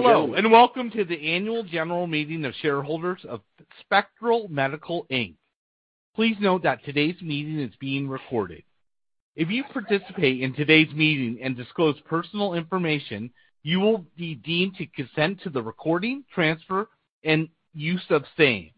Hello, welcome to the annual general meeting of shareholders of Spectral Medical Inc. Please note that today's meeting is being recorded. If you participate in today's meeting and disclose personal information, you will be deemed to consent to the recording, transfer, and use of same.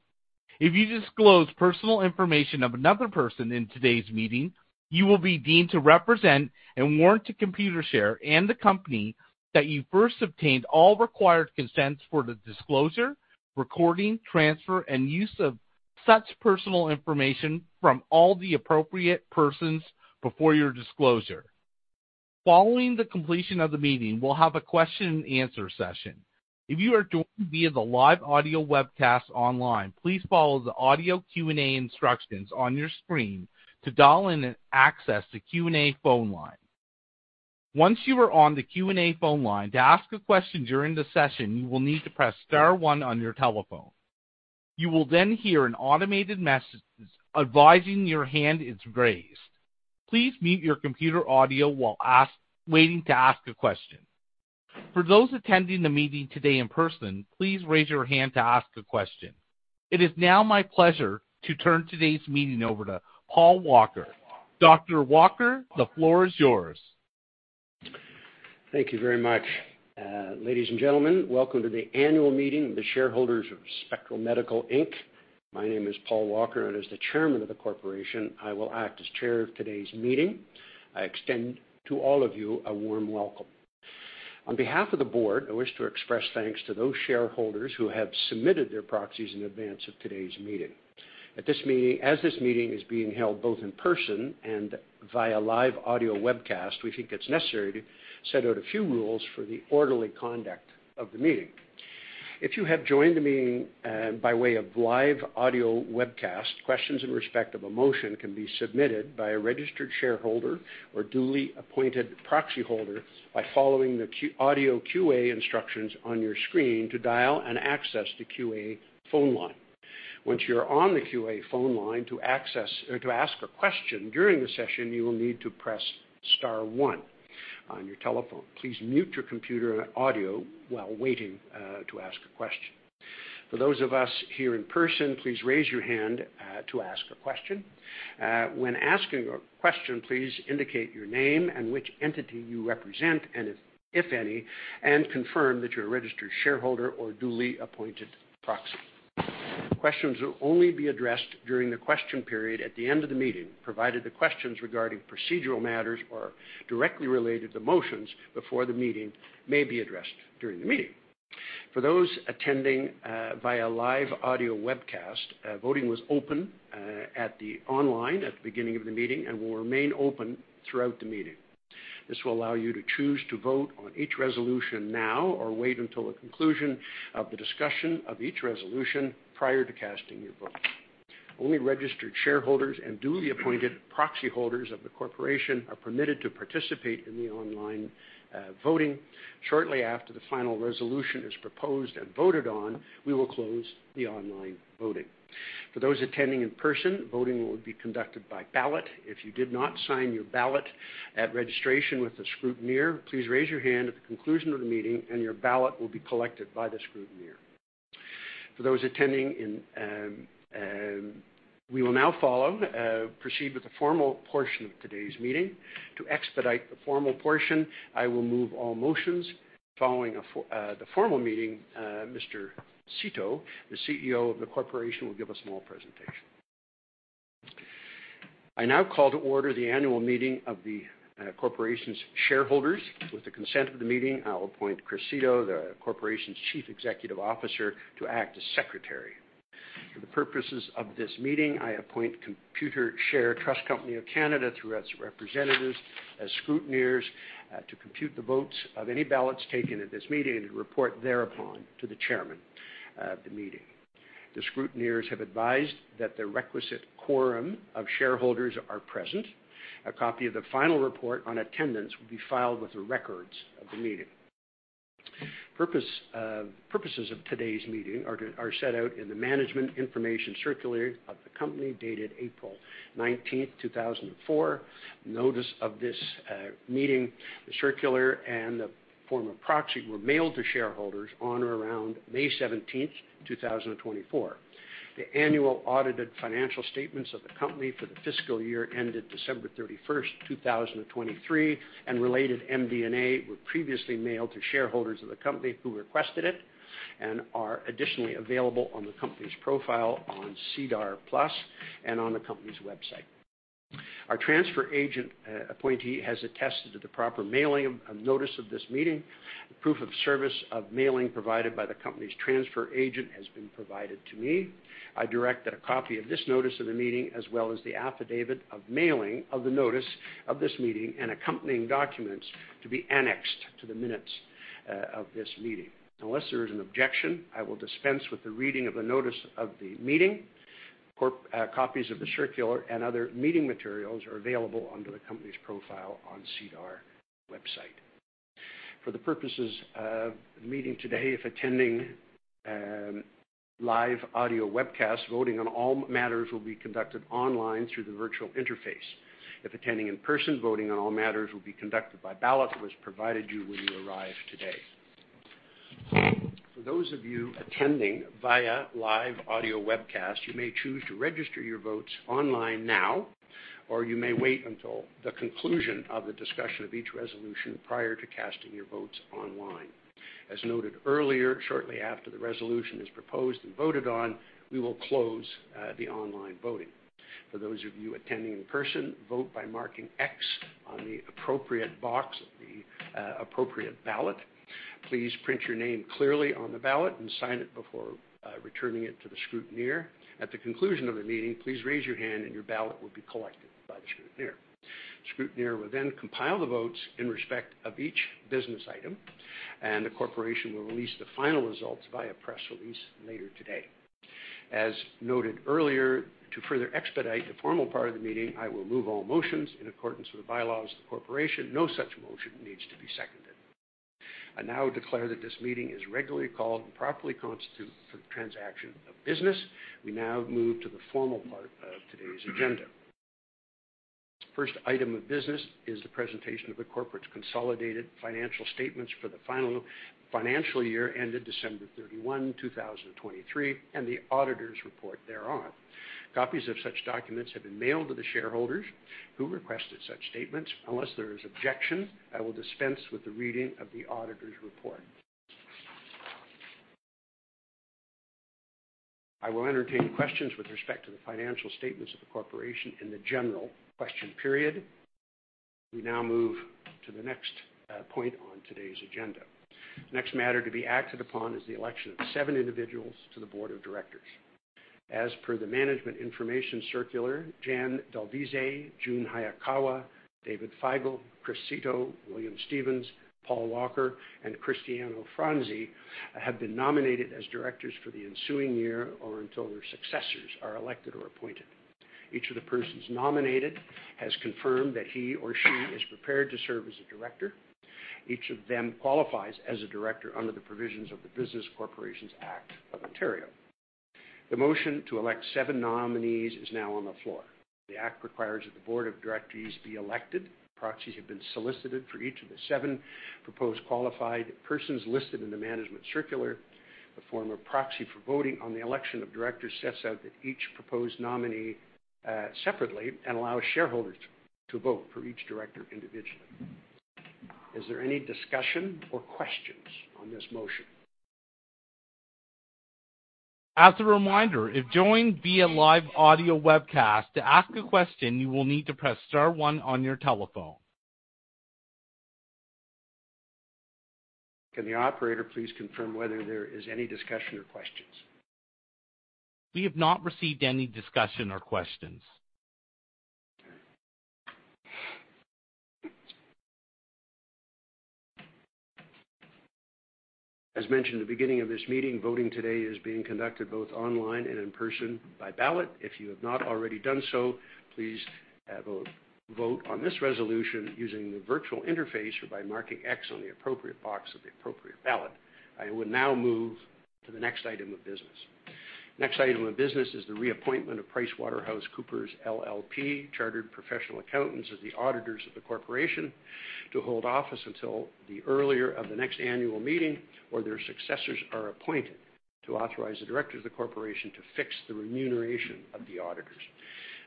If you disclose personal information of another person in today's meeting, you will be deemed to represent and warrant to Computershare and the company that you first obtained all required consents for the disclosure, recording, transfer, and use of such personal information from all the appropriate persons before your disclosure. Following the completion of the meeting, we'll have a question-and-answer session. If you are joining via the live audio webcast online, please follow the audio Q&A instructions on your screen to dial in and access the Q&A phone line. Once you are on the Q&A phone line, to ask a question during the session, you will need to press star one on your telephone. You will then hear an automated message advising your hand is raised. Please mute your computer audio while waiting to ask a question. For those attending the meeting today in person, please raise your hand to ask a question. It is now my pleasure to turn today's meeting over to Paul Walker. Dr. Walker, the floor is yours. Thank you very much. Ladies and gentlemen, welcome to the annual meeting of the shareholders of Spectral Medical Inc. My name is Paul Walker, as the Chairman of the Corporation, I will act as Chair of today's meeting. I extend to all of you a warm welcome. On behalf of the board, I wish to express thanks to those shareholders who have submitted their proxies in advance of today's meeting. As this meeting is being held both in person and via live audio webcast, we think it's necessary to set out a few rules for the orderly conduct of the meeting. If you have joined the meeting by way of live audio webcast, questions in respect of a motion can be submitted by a registered shareholder or duly appointed proxy holder by following the audio Q&A instructions on your screen to dial and access the Q&A phone line. Once you're on the Q&A phone line, to ask a question during the session, you will need to press star one on your telephone. Please mute your computer audio while waiting to ask a question. For those of us here in person, please raise your hand to ask a question. When asking a question, please indicate your name and which entity you represent, and if any, and confirm that you're a registered shareholder or duly appointed proxy. Questions will only be addressed during the question period at the end of the meeting, provided the questions regarding procedural matters are directly related to motions before the meeting may be addressed during the meeting. For those attending via live audio webcast, voting was open online at the beginning of the meeting and will remain open throughout the meeting. This will allow you to choose to vote on each resolution now or wait until the conclusion of the discussion of each resolution prior to casting your vote. Only registered shareholders and duly appointed proxy holders of the corporation are permitted to participate in the online voting. Shortly after the final resolution is proposed and voted on, we will close the online voting. For those attending in person, voting will be conducted by ballot. If you did not sign your ballot at registration with the scrutineer, please raise your hand at the conclusion of the meeting and your ballot will be collected by the scrutineer. We will now proceed with the formal portion of today's meeting. To expedite the formal portion, I will move all motions. Following the formal meeting, Mr. Seto, the CEO of the corporation, will give a small presentation. I now call to order the annual meeting of the corporation's shareholders. With the consent of the meeting, I will appoint Chris Seto, the corporation's Chief Executive Officer, to act as secretary. For the purposes of this meeting, I appoint Computershare Trust Company of Canada through its representatives as scrutineers to compute the votes of any ballots taken at this meeting and to report thereupon to the chairman of the meeting. The scrutineers have advised that the requisite quorum of shareholders are present. A copy of the final report on attendance will be filed with the records of the meeting. Purposes of today's meeting are set out in the management information circular of the company dated April 19th, 2004. Notice of this meeting, the circular, and the form of proxy were mailed to shareholders on or around May 17th, 2024. The annual audited financial statements of the company for the fiscal year ended December 31st, 2023, and related MD&A were previously mailed to shareholders of the company who requested it and are additionally available on the company's profile on SEDAR+ and on the company's website. Our transfer agent appointee has attested to the proper mailing of notice of this meeting. The proof of service of mailing provided by the company's transfer agent has been provided to me. I direct that a copy of this notice of the meeting as well as the affidavit of mailing of the notice of this meeting and accompanying documents to be annexed to the minutes of this meeting. Unless there is an objection, I will dispense with the reading of the notice of the meeting. Copies of the circular and other meeting materials are available under the company's profile on SEDAR website. For the purposes of the meeting today, if attending and live audio webcast. Voting on all matters will be conducted online through the virtual interface. If attending in person, voting on all matters will be conducted by ballot that was provided to you when you arrived today. For those of you attending via live audio webcast, you may choose to register your votes online now, or you may wait until the conclusion of the discussion of each resolution prior to casting your votes online. As noted earlier, shortly after the resolution is proposed and voted on, we will close the online voting. For those of you attending in person, vote by marking X on the appropriate box of the appropriate ballot. Please print your name clearly on the ballot and sign it before returning it to the scrutineer. At the conclusion of the meeting, please raise your hand and your ballot will be collected by the scrutineer. The scrutineer will compile the votes in respect of each business item, and the corporation will release the final results via press release later today. As noted earlier, to further expedite the formal part of the meeting, I will move all motions in accordance with the bylaws of the corporation. No such motion needs to be seconded. I now declare that this meeting is regularly called and properly constituted for the transaction of business. We now move to the formal part of today's agenda. First item of business is the presentation of the corporate's consolidated financial statements for the final financial year ended December 31, 2023, and the auditor's report thereon. Copies of such documents have been mailed to the shareholders who requested such statements. Unless there is objection, I will dispense with the reading of the auditor's report. I will entertain questions with respect to the financial statements of the corporation in the general question period. We now move to the next point on today's agenda. Next matter to be acted upon is the election of seven individuals to the board of directors. As per the management information circular, Jan D'Alvise, Jun Hayakawa, David Feigal, Chris Seto, William Stevens, Paul Walker, and Cristiano Franzi have been nominated as directors for the ensuing year or until their successors are elected or appointed. Each of the persons nominated has confirmed that he or she is prepared to serve as a director. Each of them qualifies as a director under the provisions of the Business Corporations Act of Ontario. The motion to elect seven nominees is now on the floor. The act requires that the board of directors be elected. Proxies have been solicited for each of the seven proposed qualified persons listed in the management circular. The form of proxy for voting on the election of directors sets out each proposed nominee separately and allows shareholders to vote for each director individually. Is there any discussion or questions on this motion? As a reminder, if joined via live audio webcast, to ask a question, you will need to press star one on your telephone. Can the operator please confirm whether there is any discussion or questions? We have not received any discussion or questions. As mentioned at the beginning of this meeting, voting today is being conducted both online and in person by ballot. If you have not already done so, please vote on this resolution using the virtual interface or by marking X on the appropriate box of the appropriate ballot. I will now move to the next item of business. Next item of business is the reappointment of PricewaterhouseCoopers LLP, chartered professional accountants of the auditors of the corporation, to hold office until the earlier of the next annual meeting or their successors are appointed to authorize the directors of the corporation to fix the remuneration of the auditors.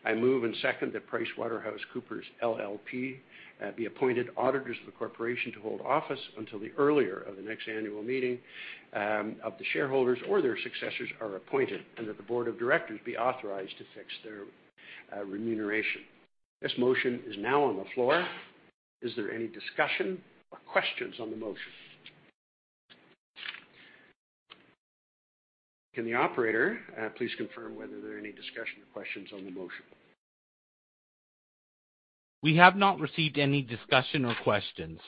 I move and second that PricewaterhouseCoopers LLP be appointed auditors of the corporation to hold office until the earlier of the next annual meeting of the shareholders or their successors are appointed, and that the board of directors be authorized to fix their remuneration. This motion is now on the floor. Is there any discussion or questions on the motion? Can the operator please confirm whether there are any discussion or questions on the motion? We have not received any discussion or questions.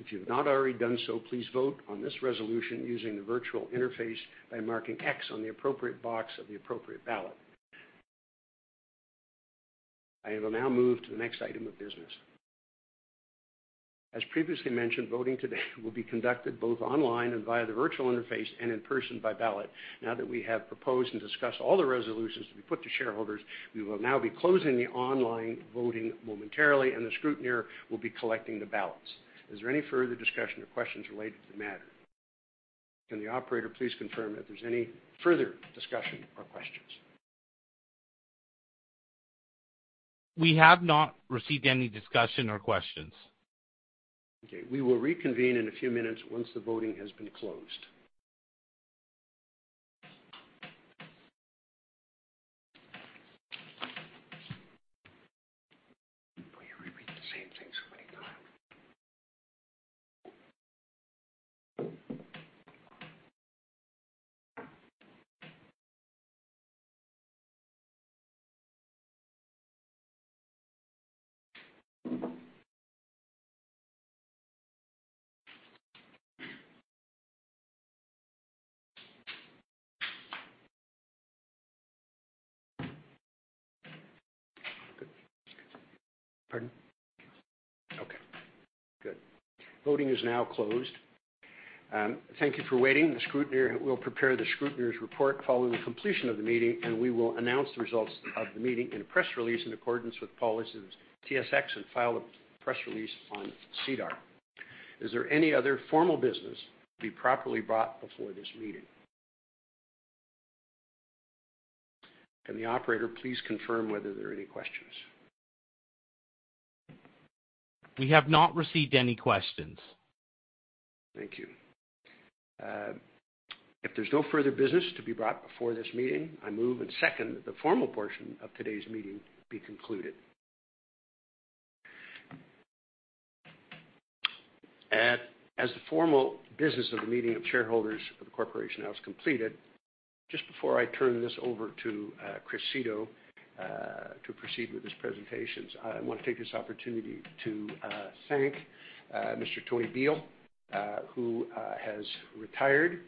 If you have not already done so, please vote on this resolution using the virtual interface by marking X on the appropriate box of the appropriate ballot. I will now move to the next item of business. As previously mentioned, voting today will be conducted both online and via the virtual interface and in person by ballot. Now that we have proposed and discussed all the resolutions to be put to shareholders, we will now be closing the online voting momentarily, and the scrutineer will be collecting the ballots. Is there any further discussion or questions related to the matter? Can the operator please confirm if there's any further discussion or questions? We have not received any discussion or questions. Okay. We will reconvene in a few minutes once the voting has been closed. Will you repeat the same thing so many times? Good. Pardon? Okay, good. Voting is now closed. Thank you for waiting. The scrutineer will prepare the scrutineer's report following the completion of the meeting, and we will announce the results of the meeting in a press release in accordance with policies TSX have filed a press release on SEDAR. Is there any other formal business to be properly brought before this meeting? Can the operator please confirm whether there are any questions? We have not received any questions. Thank you. If there's no further business to be brought before this meeting, I move and second that the formal portion of today's meeting be concluded. As the formal business of the meeting of shareholders of the corporation now is completed, just before I turn this over to Chris Seto to proceed with his presentations, I want to take this opportunity to thank Mr. Tony Bihl, who has retired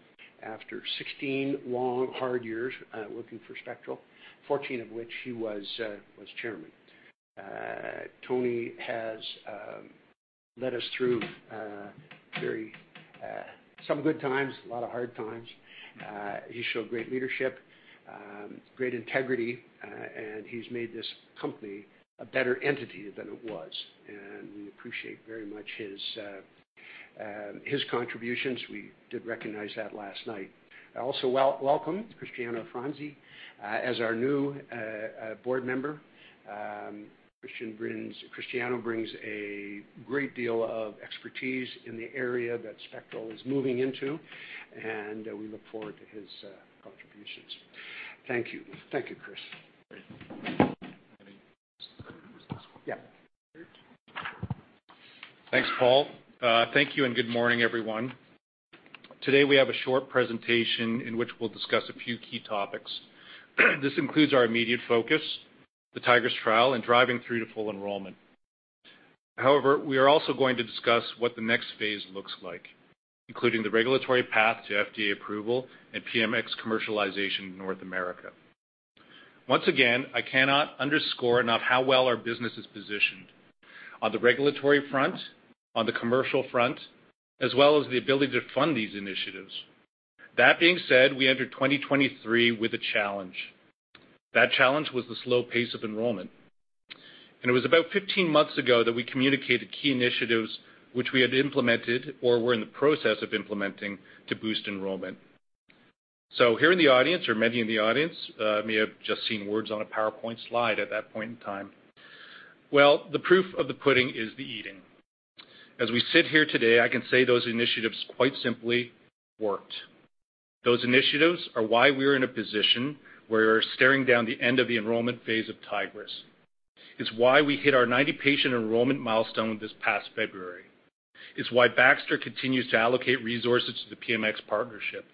after 16 long, hard years working for Spectral, 14 of which he was Chairman. Tony has led us through some good times, a lot of hard times. He showed great leadership, great integrity, he's made this company a better entity than it was. We appreciate very much his contributions. We did recognize that last night. I also welcome Cristiano Franzi as our new board member. Cristiano brings a great deal of expertise in the area that Spectral is moving into. We look forward to his contributions. Thank you. Thank you, Chris. Great. I think, just use this one. Yeah. Thanks, Paul. Thank you. Good morning, everyone. Today, we have a short presentation in which we'll discuss a few key topics. This includes our immediate focus, the Tigris trial, and driving through to full enrollment. We are also going to discuss what the next phase looks like, including the regulatory path to FDA approval and PMX commercialization in North America. Once again, I cannot underscore enough how well our business is positioned on the regulatory front, on the commercial front, as well as the ability to fund these initiatives. That being said, we entered 2023 with a challenge. That challenge was the slow pace of enrollment. It was about 15 months ago that we communicated key initiatives which we had implemented or were in the process of implementing to boost enrollment. Here in the audience, or many in the audience, may have just seen words on a PowerPoint slide at that point in time. The proof of the pudding is the eating. As we sit here today, I can say those initiatives quite simply worked. Those initiatives are why we're in a position where we're staring down the end of the enrollment phase of Tigris. It's why we hit our 90-patient enrollment milestone this past February. It's why Baxter continues to allocate resources to the PMX partnership.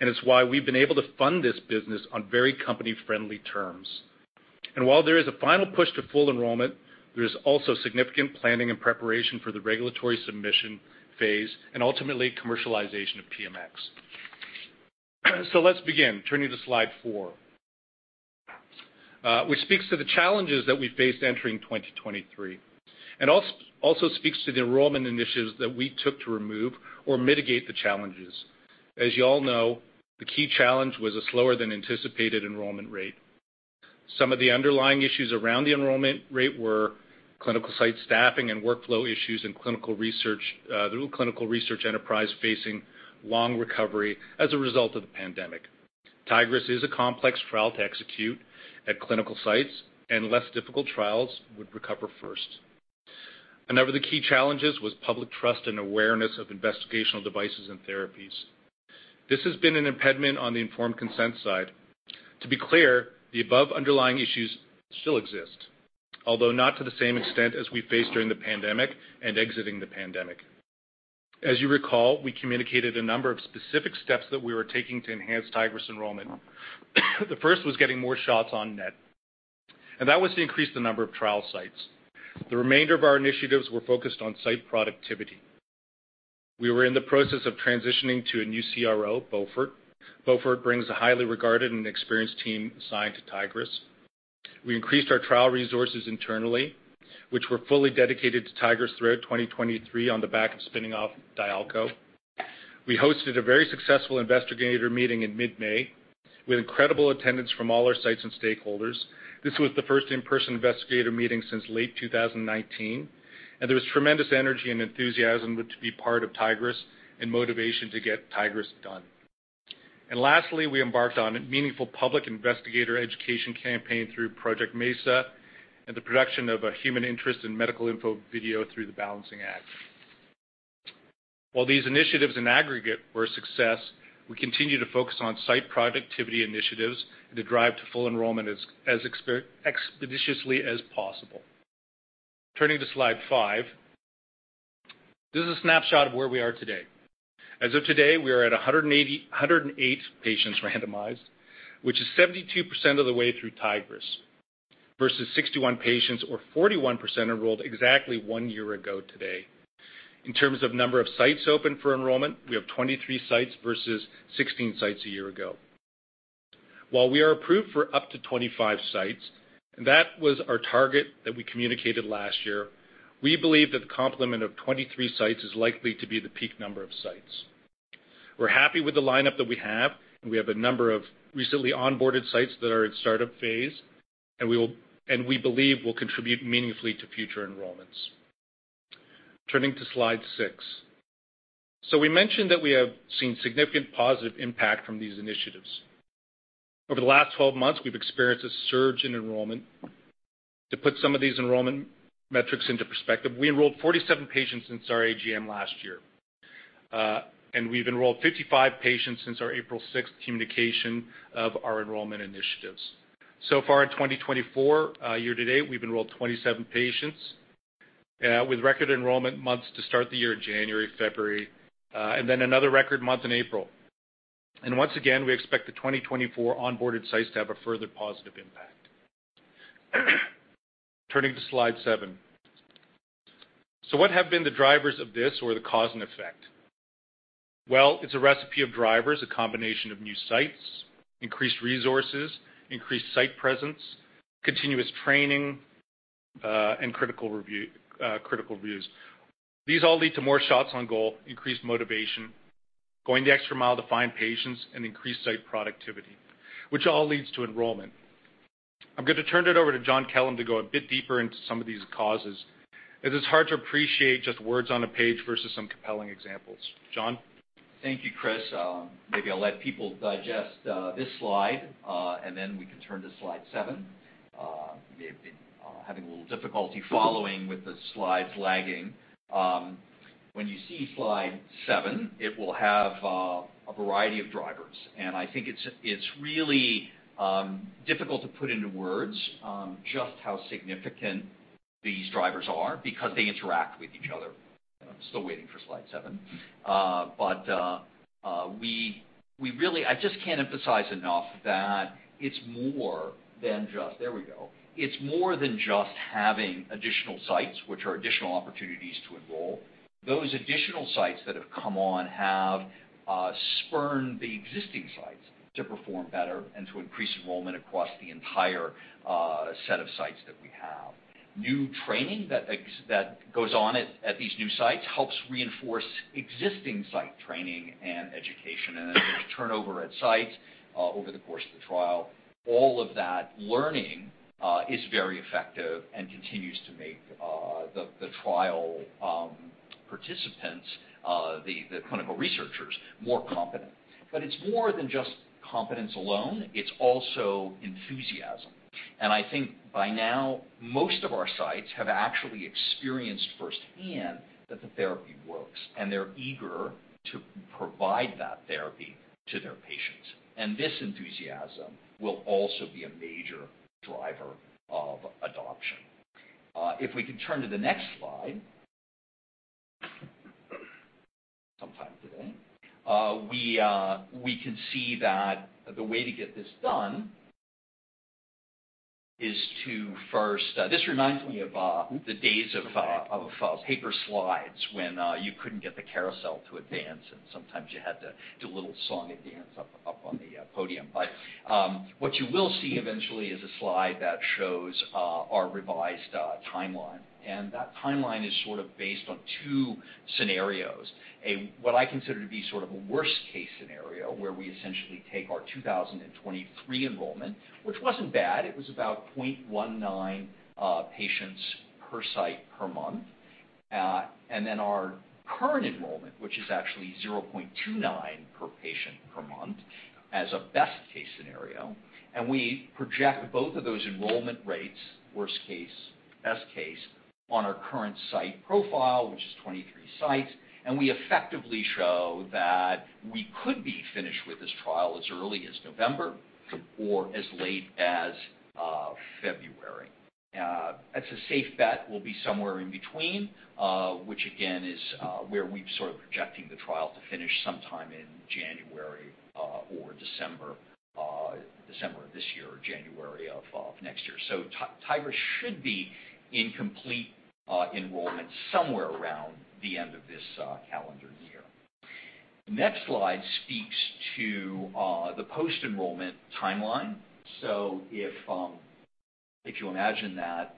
It's why we've been able to fund this business on very company-friendly terms. While there is a final push to full enrollment, there is also significant planning and preparation for the regulatory submission phase and ultimately commercialization of PMX. Let's begin. Turning to slide four, which speaks to the challenges that we faced entering 2023, and also speaks to the enrollment initiatives that we took to remove or mitigate the challenges. As you all know, the key challenge was a slower than anticipated enrollment rate. Some of the underlying issues around the enrollment rate were clinical site staffing and workflow issues in the clinical research enterprise facing long recovery as a result of the pandemic. Tigris is a complex trial to execute at clinical sites, and less difficult trials would recover first. Another of the key challenges was public trust and awareness of investigational devices and therapies. This has been an impediment on the informed consent side. To be clear, the above underlying issues still exist, although not to the same extent as we faced during the pandemic and exiting the pandemic. As you recall, we communicated a number of specific steps that we were taking to enhance Tigris enrollment. The first was getting more shots on net, and that was to increase the number of trial sites. The remainder of our initiatives were focused on site productivity. We were in the process of transitioning to a new CRO, Beaufort. Beaufort brings a highly regarded and experienced team assigned to Tigris. We increased our trial resources internally, which were fully dedicated to Tigris throughout 2023 on the back of spinning off Dialco. We hosted a very successful investigator meeting in mid-May, with incredible attendance from all our sites and stakeholders. This was the first in-person investigator meeting since late 2019, and there was tremendous energy and enthusiasm to be part of Tigris and motivation to get Tigris done. Lastly, we embarked on a meaningful public investigator education campaign through Project MESA and the production of a human interest and medical info video through The Balancing Act. While these initiatives in aggregate were a success, we continue to focus on site productivity initiatives and the drive to full enrollment as expeditiously as possible. Turning to slide five, this is a snapshot of where we are today. As of today, we are at 108 patients randomized, which is 72% of the way through Tigris. versus 61 patients or 41% enrolled exactly one year ago today. In terms of number of sites open for enrollment, we have 23 sites versus 16 sites a year ago. While we are approved for up to 25 sites, that was our target that we communicated last year, we believe that the complement of 23 sites is likely to be the peak number of sites. We're happy with the lineup that we have, and we have a number of recently onboarded sites that are in startup phase, and we believe will contribute meaningfully to future enrollments. Turning to slide six. We mentioned that we have seen significant positive impact from these initiatives. Over the last 12 months, we've experienced a surge in enrollment. To put some of these enrollment metrics into perspective, we enrolled 47 patients since our AGM last year. We've enrolled 55 patients since our April 6th communication of our enrollment initiatives. So far in 2024, year to date, we've enrolled 27 patients, with record enrollment months to start the year in January, February, and then another record month in April. Once again, we expect the 2024 onboarded sites to have a further positive impact. Turning to slide seven. What have been the drivers of this or the cause and effect? It is a recipe of drivers, a combination of new sites, increased resources, increased site presence, continuous training, and critical reviews. These all lead to more shots on goal, increased motivation, going the extra mile to find patients, and increased site productivity, which all leads to enrollment. I am going to turn it over to John Kellum to go a bit deeper into some of these causes, as it is hard to appreciate just words on a page versus some compelling examples. John? Thank you, Chris. Maybe I'll let people digest this slide, and then we can turn to slide seven. Having a little difficulty following with the slides lagging. When you see slide seven, it will have a variety of drivers. I think it's really difficult to put into words just how significant these drivers are because they interact with each other. Still waiting for slide seven. I just can't emphasize enough that it's more than just There we go. It's more than just having additional sites, which are additional opportunities to enroll. Those additional sites that have come on have spurned the existing sites to perform better and to increase enrollment across the entire set of sites that we have. New training that goes on at these new sites helps reinforce existing site training and education. As there's turnover at sites, over the course of the trial, all of that learning is very effective and continues to make the trial participants, the clinical researchers, more competent. It's more than just competence alone. It's also enthusiasm. I think by now, most of our sites have actually experienced firsthand that the therapy works, and they're eager to provide that therapy to their patients. This enthusiasm will also be a major driver of adoption. If we can turn to the next slide, sometime today. This reminds me of the days of paper slides when you couldn't get the carousel to advance, and sometimes you had to do a little song and dance up on the podium. What you will see eventually is a slide that shows our revised timeline, and that timeline is sort of based on two scenarios. What I consider to be sort of a worst-case scenario, where we essentially take our 2023 enrollment, which wasn't bad. It was about 0.19 patients per site per month. Our current enrollment, which is actually 0.29 per patient per month, as a best-case scenario. We project both of those enrollment rates, worst case, best case, on our current site profile, which is 23 sites. We effectively show that we could be finished with this trial as early as November or as late as February. It's a safe bet we'll be somewhere in between, which again is where we're sort of projecting the trial to finish sometime in January or December of this year or January of next year. Tigris should be in complete enrollment somewhere around the end of this calendar year. Next slide speaks to the post-enrollment timeline. If you imagine that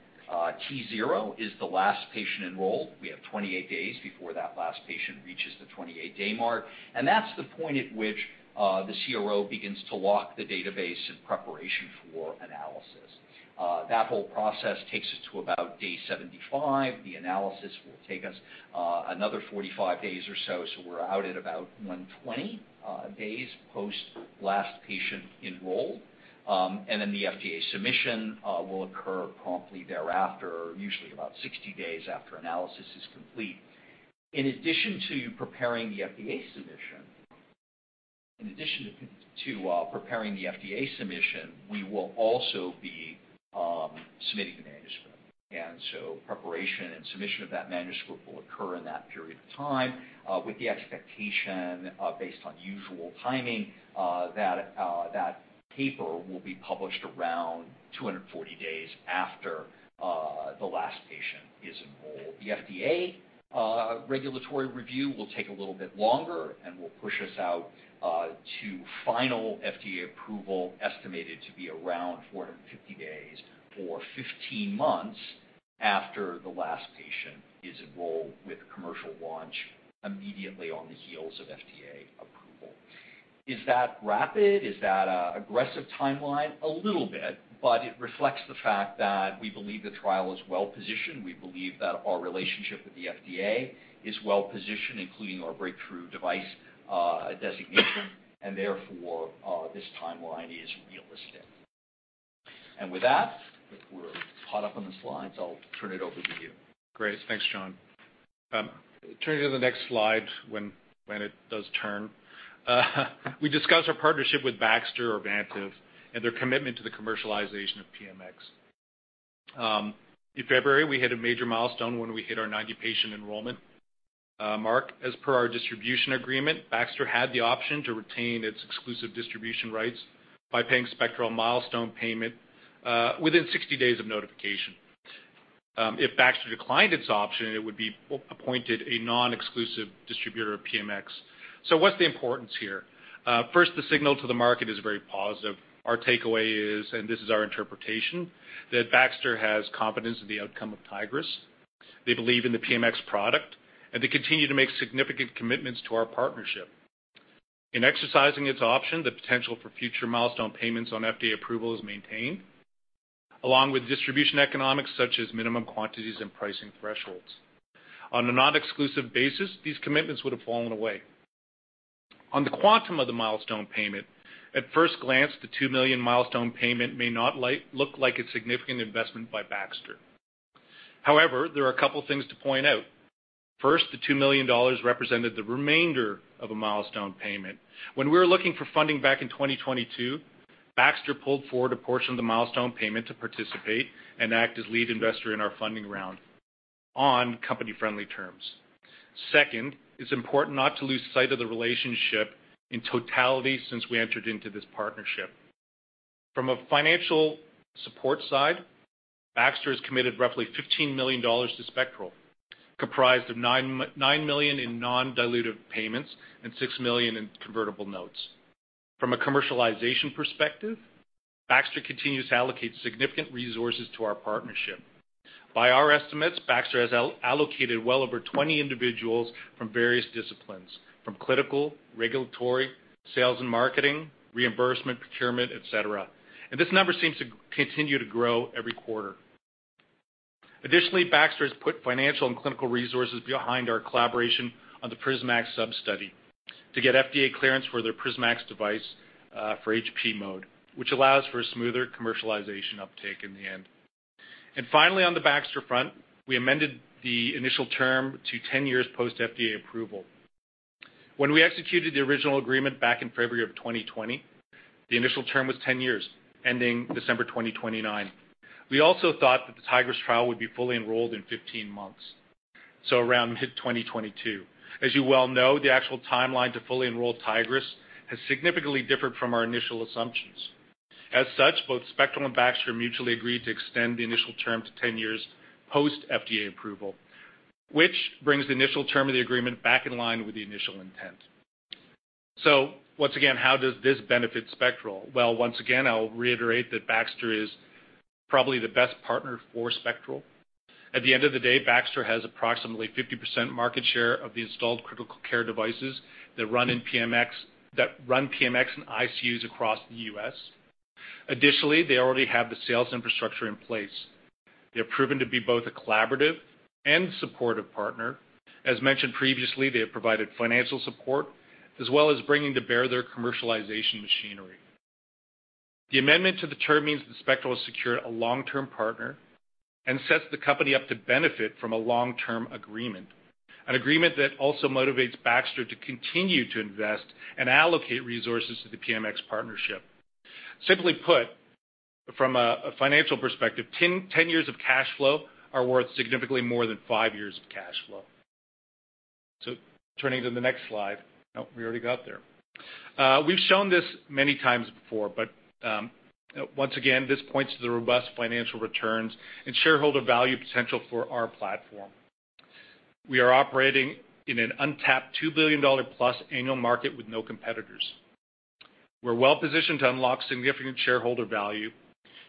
T zero is the last patient enrolled, we have 28 days before that last patient reaches the 28-day mark. That's the point at which the CRO begins to lock the database in preparation for analysis. That whole process takes us to about day 75. The analysis will take us another 45 days or so we're out at about 120 days post last patient enrolled. The FDA submission will occur promptly thereafter, usually about 60 days after analysis is complete. In addition to preparing the FDA submission, we will also be submitting a manuscript. Preparation and submission of that manuscript will occur in that period of time, with the expectation, based on usual timing, that paper will be published around 240 days after the last patient is enrolled. The FDA regulatory review will take a little bit longer and will push us out to final FDA approval, estimated to be around 450 days or 15 months after the last patient is enrolled, with commercial launch immediately on the heels of FDA approval. Is that rapid? Is that a aggressive timeline? A little bit, but it reflects the fact that we believe the trial is well-positioned. We believe that our relationship with the FDA is well-positioned, including our Breakthrough Device designation. Therefore, this timeline is realistic. With that, if we're caught up on the slides, I'll turn it over to you. Great. Thanks, John. Turning to the next slide, when it does turn. We discussed our partnership with Baxter or Vantive and their commitment to the commercialization of PMX. In February, we hit a major milestone when we hit our 90 patient enrollment mark. As per our distribution agreement, Baxter had the option to retain its exclusive distribution rights by paying Spectral milestone payment within 60 days of notification. If Baxter declined its option, it would be appointed a non-exclusive distributor of PMX. What's the importance here? First, the signal to the market is very positive. Our takeaway is, and this is our interpretation, that Baxter has confidence in the outcome of Tigris. They believe in the PMX product, and they continue to make significant commitments to our partnership. In exercising its option, the potential for future milestone payments on FDA approval is maintained, along with distribution economics such as minimum quantities and pricing thresholds. On a non-exclusive basis, these commitments would have fallen away. On the quantum of the milestone payment, at first glance, the 2 million milestone payment may not look like a significant investment by Baxter. However, there are a couple of things to point out. First, the 2 million dollars represented the remainder of a milestone payment. When we were looking for funding back in 2022, Baxter pulled forward a portion of the milestone payment to participate and act as lead investor in our funding round on company-friendly terms. Second, it's important not to lose sight of the relationship in totality since we entered into this partnership. From a financial support side, Baxter has committed roughly 15 million dollars to Spectral, comprised of 9 million in non-dilutive payments and 6 million in convertible notes. From a commercialization perspective, Baxter continues to allocate significant resources to our partnership. By our estimates, Baxter has allocated well over 20 individuals from various disciplines, from clinical, regulatory, sales and marketing, reimbursement, procurement, et cetera. This number seems to continue to grow every quarter. Additionally, Baxter has put financial and clinical resources behind our collaboration on the PrisMax sub-study to get FDA clearance for their PrisMax device, for HP mode, which allows for a smoother commercialization uptake in the end. Finally, on the Baxter front, we amended the initial term to 10 years post FDA approval. When we executed the original agreement back in February 2020, the initial term was 10 years, ending December 2029. We also thought that the Tigris trial would be fully enrolled in 15 months, so around mid-2022. As you well know, the actual timeline to fully enroll Tigris has significantly differed from our initial assumptions. As such, both Spectral and Baxter mutually agreed to extend the initial term to 10 years post FDA approval, which brings the initial term of the agreement back in line with the initial intent. Once again, how does this benefit Spectral? Once again, I'll reiterate that Baxter is probably the best partner for Spectral. At the end of the day, Baxter has approximately 50% market share of the installed critical care devices that run PMX in ICUs across the U.S. Additionally, they already have the sales infrastructure in place. They have proven to be both a collaborative and supportive partner. As mentioned previously, they have provided financial support as well as bringing to bear their commercialization machinery. The amendment to the term means that Spectral has secured a long-term partner and sets the company up to benefit from a long-term agreement. An agreement that also motivates Baxter to continue to invest and allocate resources to the PMX partnership. Simply put, from a financial perspective, 10 years of cash flow are worth significantly more than five years of cash flow. Turning to the next slide. No. We already got there. We've shown this many times before, once again, this points to the robust financial returns and shareholder value potential for our platform. We are operating in an untapped 2 billion dollar+ annual market with no competitors. We're well positioned to unlock significant shareholder value.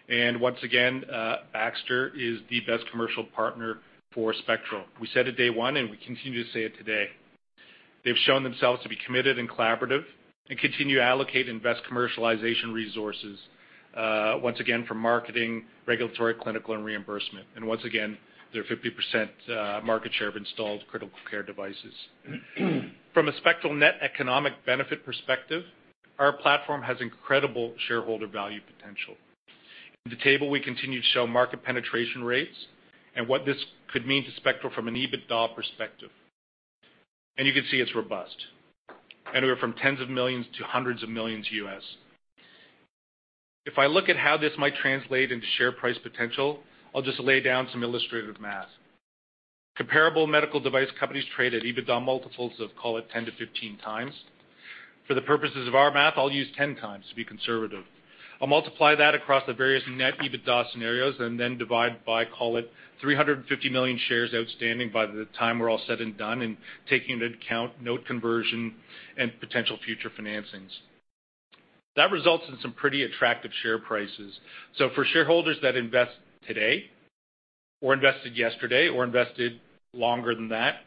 Once again, Baxter is the best commercial partner for Spectral. We said it day one, and we continue to say it today. They've shown themselves to be committed and collaborative and continue to allocate invest commercialization resources, once again, for marketing, regulatory, clinical, and reimbursement. Once again, their 50% market share of installed critical care devices. From a Spectral net economic benefit perspective, our platform has incredible shareholder value potential. In the table, we continue to show market penetration rates and what this could mean to Spectral from an EBITDA perspective. You can see it's robust. We're from tens of millions to hundreds of millions USD. If I look at how this might translate into share price potential, I'll just lay down some illustrative math. Comparable medical device companies trade at EBITDA multiples of, call it, 10x-15x. For the purposes of our math, I'll use 10x to be conservative. I'll multiply that across the various net EBITDA scenarios and then divide by, call it, 350 million shares outstanding by the time we're all said and done and taking into account note conversion and potential future financings. That results in some pretty attractive share prices. For shareholders that invest today or invested yesterday or invested longer than that,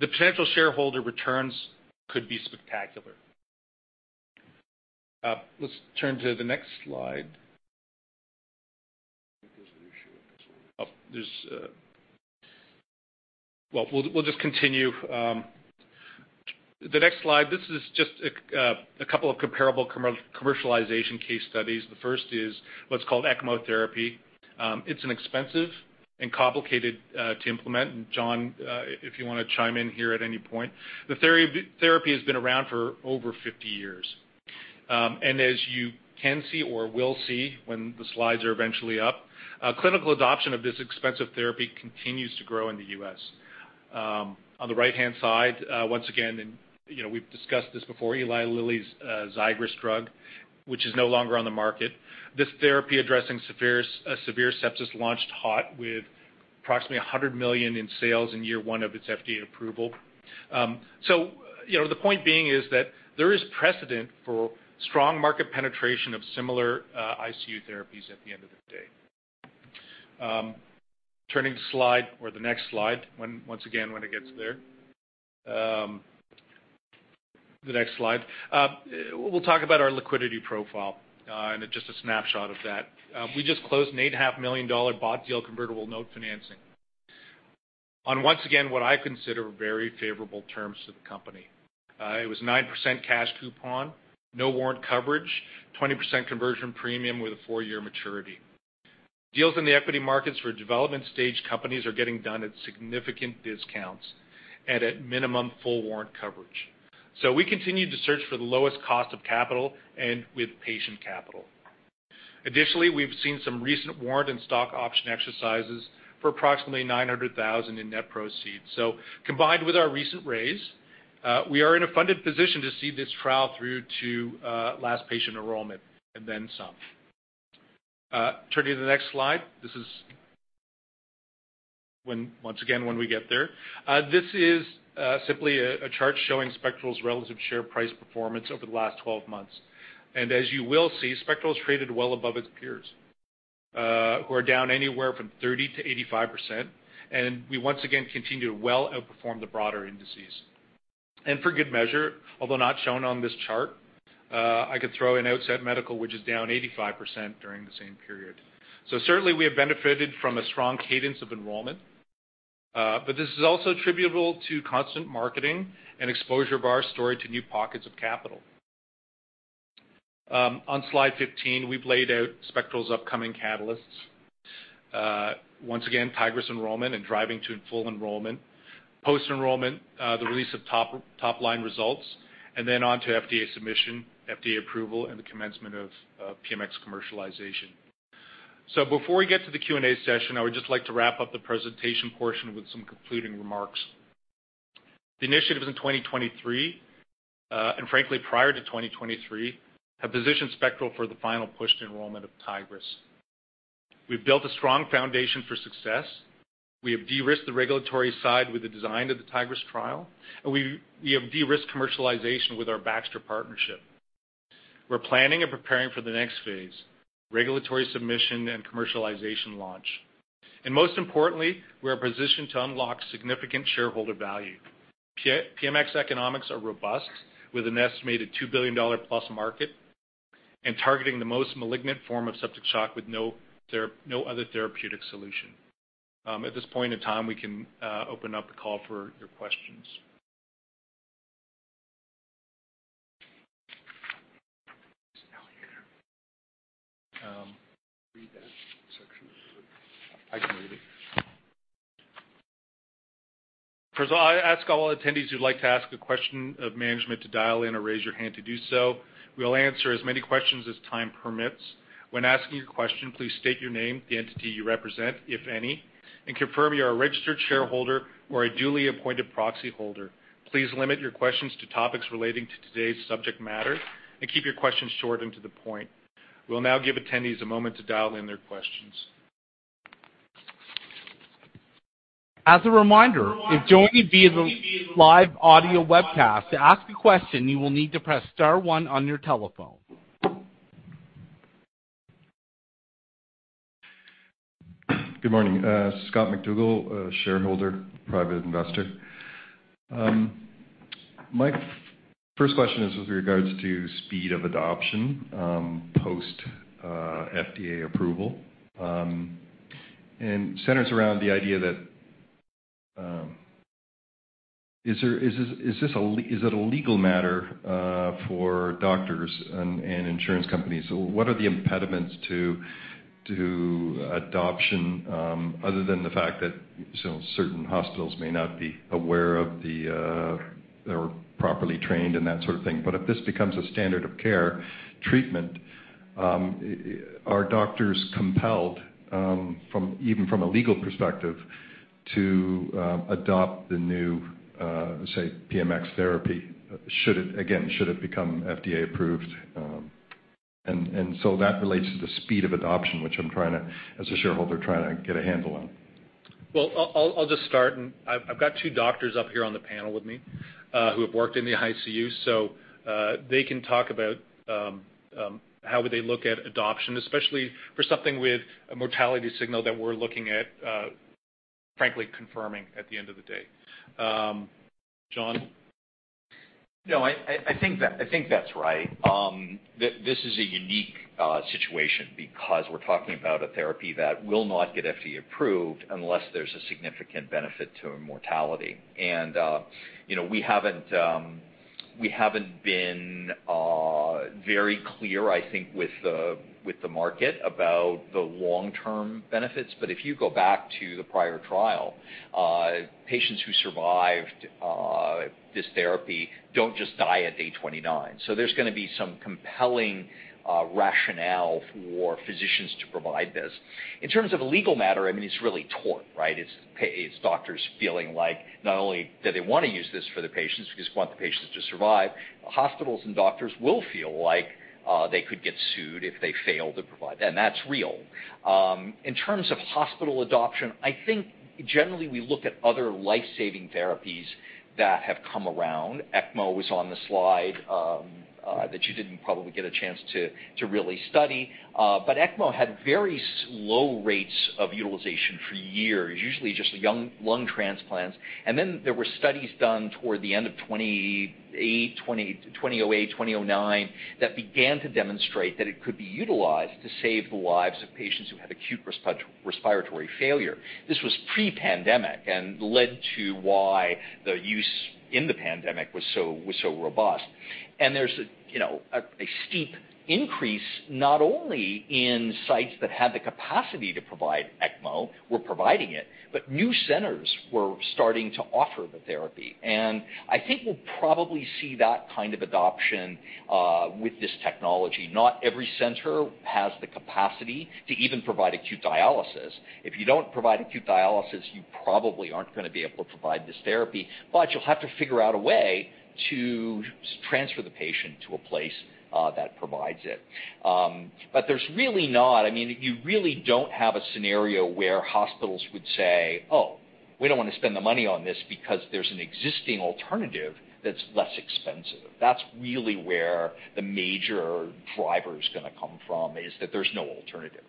the potential shareholder returns could be spectacular. Let's turn to the next slide. I think there's an issue with the slides. Well, we'll just continue. The next slide, this is just a couple of comparable commercialization case studies. The first is what's called ECMO therapy. It's inexpensive and complicated to implement, and John, if you want to chime in here at any point. The therapy has been around for over 50 years. As you can see or will see when the slides are eventually up, clinical adoption of this expensive therapy continues to grow in the U.S. On the right-hand side, once again, we've discussed this before, Eli Lilly's Xigris drug, which is no longer on the market. This therapy addressing severe sepsis launched hot with approximately 100 million in sales in year one of its FDA approval. The point being is that there is precedent for strong market penetration of similar ICU therapies at the end of the day. Turning the slide, or the next slide, once again, when it gets there. The next slide. We'll talk about our liquidity profile and just a snapshot of that. We just closed an 8.5 million dollar bought deal convertible note financing on, once again, what I consider very favorable terms to the company. It was 9% cash coupon, no warrant coverage, 20% conversion premium with a four-year maturity. Deals in the equity markets for development stage companies are getting done at significant discounts and at minimum full warrant coverage. We continue to search for the lowest cost of capital and with patient capital. Additionally, we've seen some recent warrant and stock option exercises for approximately 900,000 in net proceeds. Combined with our recent raise, we are in a funded position to see this trial through to last patient enrollment and then some. Turning to the next slide, once again, when we get there. This is simply a chart showing Spectral's relative share price performance over the last 12 months. As you will see, Spectral's traded well above its peers, who are down anywhere from 30%-85%. We, once again, continue to well outperform the broader indices. For good measure, although not shown on this chart, I could throw in Outset Medical, which is down 85% during the same period. Certainly, we have benefited from a strong cadence of enrollment. This is also attributable to constant marketing and exposure of our story to new pockets of capital. On slide 15, we've laid out Spectral's upcoming catalysts. Once again, Tigris enrollment and driving to full enrollment. Post-enrollment, the release of top-line results, and then on to FDA submission, FDA approval, and the commencement of PMX commercialization. Before we get to the Q&A session, I would just like to wrap up the presentation portion with some concluding remarks. The initiatives in 2023, and frankly prior to 2023, have positioned Spectral for the final push to enrollment of Tigris. We've built a strong foundation for success. We have de-risked the regulatory side with the design of the Tigris trial. We have de-risked commercialization with our Baxter partnership. We're planning and preparing for the next phase, regulatory submission and commercialization launch. Most importantly, we are positioned to unlock significant shareholder value. PMX economics are robust, with an estimated 2 billion dollar+ market and targeting the most malignant form of septic shock with no other therapeutic solution. At this point in time, we can open up the call for your questions. It's down here. Read that section. I can read it. First of all, I ask all attendees who'd like to ask a question of management to dial in or raise your hand to do so. We'll answer as many questions as time permits. When asking a question, please state your name, the entity you represent, if any, and confirm you are a registered shareholder or a duly appointed proxyholder. Please limit your questions to topics relating to today's subject matter and keep your questions short and to the point. We'll now give attendees a moment to dial in their questions. As a reminder, if joining via the live audio webcast, to ask a question, you will need to press star one on your telephone. Good morning. Scott McDougal, shareholder, private investor. My first question is with regards to speed of adoption post FDA approval, and centers around the idea. Is it a legal matter for doctors and insurance companies? What are the impediments to? To adoption, other than the fact that certain hospitals may not be aware of the or properly trained and that sort of thing. If this becomes a standard of care treatment, are doctors compelled, even from a legal perspective, to adopt the new, say, PMX therapy, again, should it become FDA approved? That relates to the speed of adoption, which I'm trying to, as a shareholder, trying to get a handle on. I'll just start, I've got two doctors up here on the panel with me who have worked in the ICU, so they can talk about how would they look at adoption, especially for something with a mortality signal that we're looking at, frankly, confirming at the end of the day. John? I think that's right. This is a unique situation because we're talking about a therapy that will not get FDA approved unless there's a significant benefit to mortality. We haven't been very clear, I think, with the market about the long-term benefits. If you go back to the prior trial, patients who survived this therapy don't just die at day 29. There's going to be some compelling rationale for physicians to provide this. In terms of a legal matter, it's really torn, right? It's doctors feeling like not only do they want to use this for the patients because they want the patients to survive, hospitals and doctors will feel like they could get sued if they fail to provide that, and that's real. In terms of hospital adoption, I think generally we look at other life-saving therapies that have come around. ECMO was on the slide that you didn't probably get a chance to really study. ECMO had very low rates of utilization for years, usually just young lung transplants. There were studies done toward the end of 2008, 2009, that began to demonstrate that it could be utilized to save the lives of patients who had acute respiratory failure. This was pre-pandemic and led to why the use in the pandemic was so robust. There's a steep increase, not only in sites that had the capacity to provide ECMO were providing it, but new centers were starting to offer the therapy. I think we'll probably see that kind of adoption with this technology. Not every center has the capacity to even provide acute dialysis. If you don't provide acute dialysis, you probably aren't going to be able to provide this therapy, but you'll have to figure out a way to transfer the patient to a place that provides it. You really don't have a scenario where hospitals would say, "Oh, we don't want to spend the money on this because there's an existing alternative that's less expensive." That's really where the major driver is going to come from, is that there's no alternative.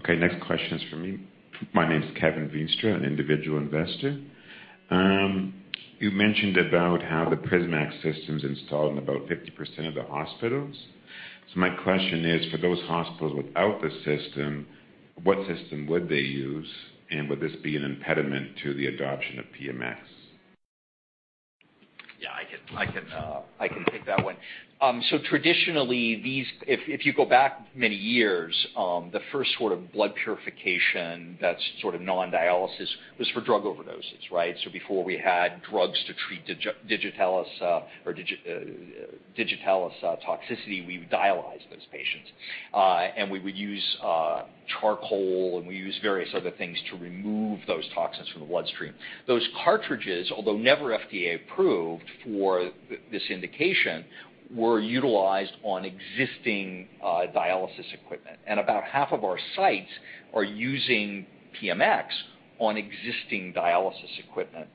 Okay, next question is from me. My name is Kevin Veenstra, an Individual Investor. You mentioned about how the PrisMax system's installed in about 50% of the hospitals. My question is, for those hospitals without the system, what system would they use, and would this be an impediment to the adoption of PMX? Yeah, I can take that one. Traditionally, if you go back many years, the first sort of blood purification that's sort of non-dialysis was for drug overdoses, right? Before we had drugs to treat digitalis toxicity, we would dialyze those patients. We would use charcoal, and we use various other things to remove those toxins from the bloodstream. Those cartridges, although never FDA approved for this indication, were utilized on existing dialysis equipment, and about half of our sites are using PMX on existing dialysis equipment.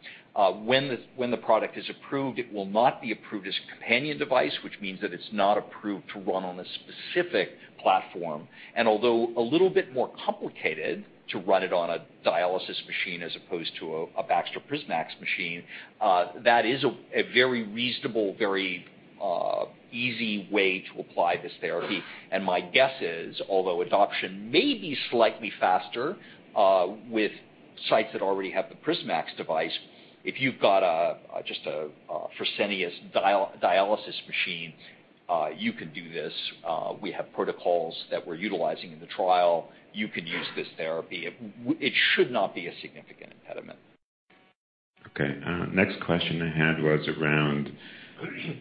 When the product is approved, it will not be approved as a companion device, which means that it's not approved to run on a specific platform. Although a little bit more complicated to run it on a dialysis machine as opposed to a Baxter PrisMax machine, that is a very reasonable, very easy way to apply this therapy. My guess is, although adoption may be slightly faster with sites that already have the PrisMax device, if you've got just a Fresenius dialysis machine, you can do this. We have protocols that we're utilizing in the trial. You could use this therapy. It should not be a significant impediment. Okay. Next question I had was around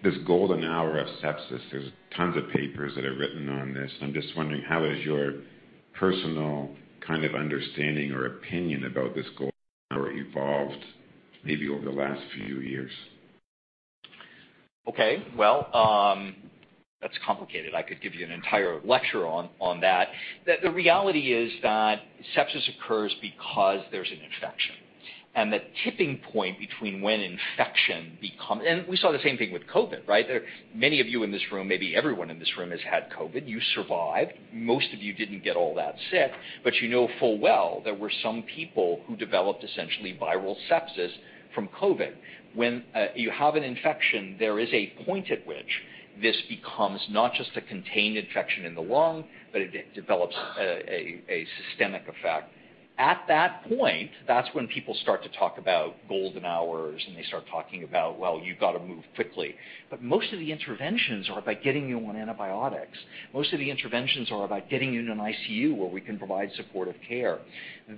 this golden hour of sepsis. There's tons of papers that are written on this. I'm just wondering, how has your personal kind of understanding or opinion about this golden hour evolved maybe over the last few years? Okay. Well, that's complicated. I could give you an entire lecture on that. The reality is that sepsis occurs because there's an infection. The tipping point between when infection. We saw the same thing with COVID. Many of you in this room, maybe everyone in this room, has had COVID. You survived. Most of you didn't get all that sick, but you know full well there were some people who developed essentially viral sepsis from COVID. When you have an infection, there is a point at which this becomes not just a contained infection in the lung, but it develops a systemic effect. At that point, that's when people start to talk about golden hours, and they start talking about, well, you've got to move quickly. Most of the interventions are by getting you on antibiotics. Most of the interventions are about getting you in an ICU where we can provide supportive care.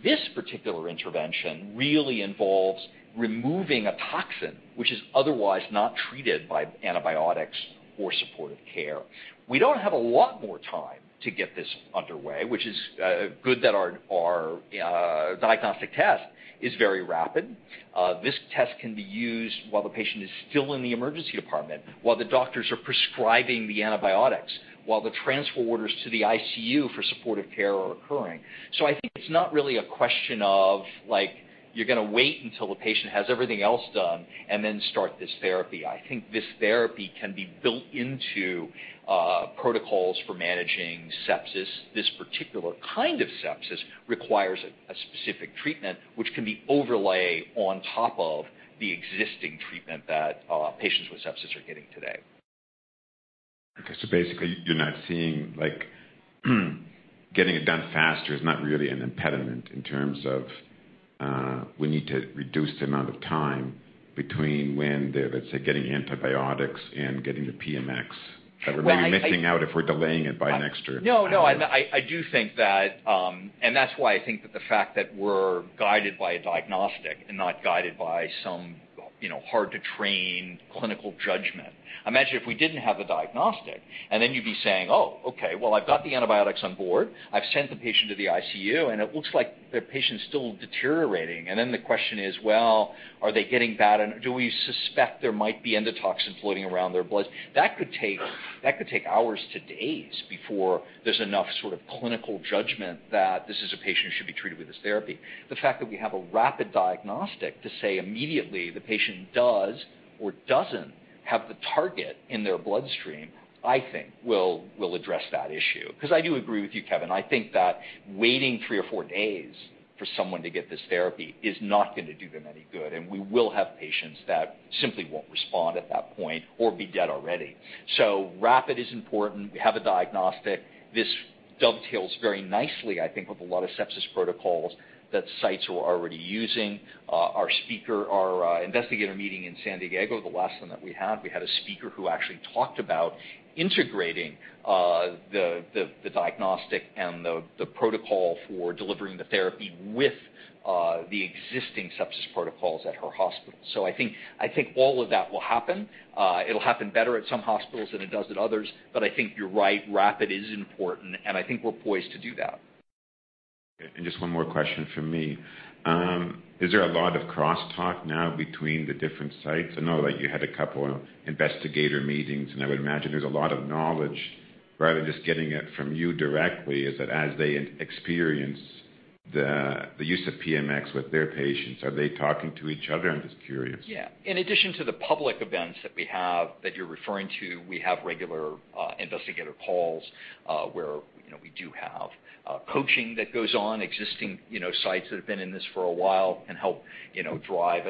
This particular intervention really involves removing a toxin, which is otherwise not treated by antibiotics or supportive care. We don't have a lot more time to get this underway, which is good that our diagnostic test is very rapid. This test can be used while the patient is still in the emergency department, while the doctors are prescribing the antibiotics, while the transfer orders to the ICU for supportive care are occurring. I think it's not really a question of you're going to wait until the patient has everything else done and then start this therapy. I think this therapy can be built into protocols for managing sepsis. This particular kind of sepsis requires a specific treatment which can be overlay on top of the existing treatment that patients with sepsis are getting today. Okay, basically, you're not seeing getting it done faster is not really an impediment in terms of we need to reduce the amount of time between when they're, let's say, getting antibiotics and getting the PMX. Well. We're really missing out if we're delaying it by an extra hour. No. I do think that's why I think that the fact that we're guided by a diagnostic and not guided by some hard-to-train clinical judgment. Imagine if we didn't have a diagnostic, then you'd be saying, "Oh, okay, well, I've got the antibiotics on board. I've sent the patient to the ICU, and it looks like the patient's still deteriorating." Then the question is, well, are they getting bad? Do we suspect there might be endotoxin floating around their blood? That could take hours to days before there's enough sort of clinical judgment that this is a patient who should be treated with this therapy. The fact that we have a rapid diagnostic to say immediately the patient does or doesn't have the target in their bloodstream, I think will address that issue. I do agree with you, Kevin. I think that waiting three or four days for someone to get this therapy is not going to do them any good, and we will have patients that simply won't respond at that point or be dead already. Rapid is important. We have a diagnostic. This dovetails very nicely, I think, with a lot of sepsis protocols that sites were already using. Our investigator meeting in San Diego, the last one that we had, we had a speaker who actually talked about integrating the diagnostic and the protocol for delivering the therapy with the existing sepsis protocols at her hospital. I think all of that will happen. It'll happen better at some hospitals than it does at others, but I think you're right. Rapid is important, and I think we're poised to do that. Just one more question from me. Is there a lot of crosstalk now between the different sites? I know that you had a couple investigator meetings, and I would imagine there's a lot of knowledge rather than just getting it from you directly, is that as they experience the use of PMX with their patients, are they talking to each other? I'm just curious. Yeah. In addition to the public events that we have that you're referring to, we have regular investigator calls where we do have coaching that goes on. Existing sites that have been in this for a while can help drive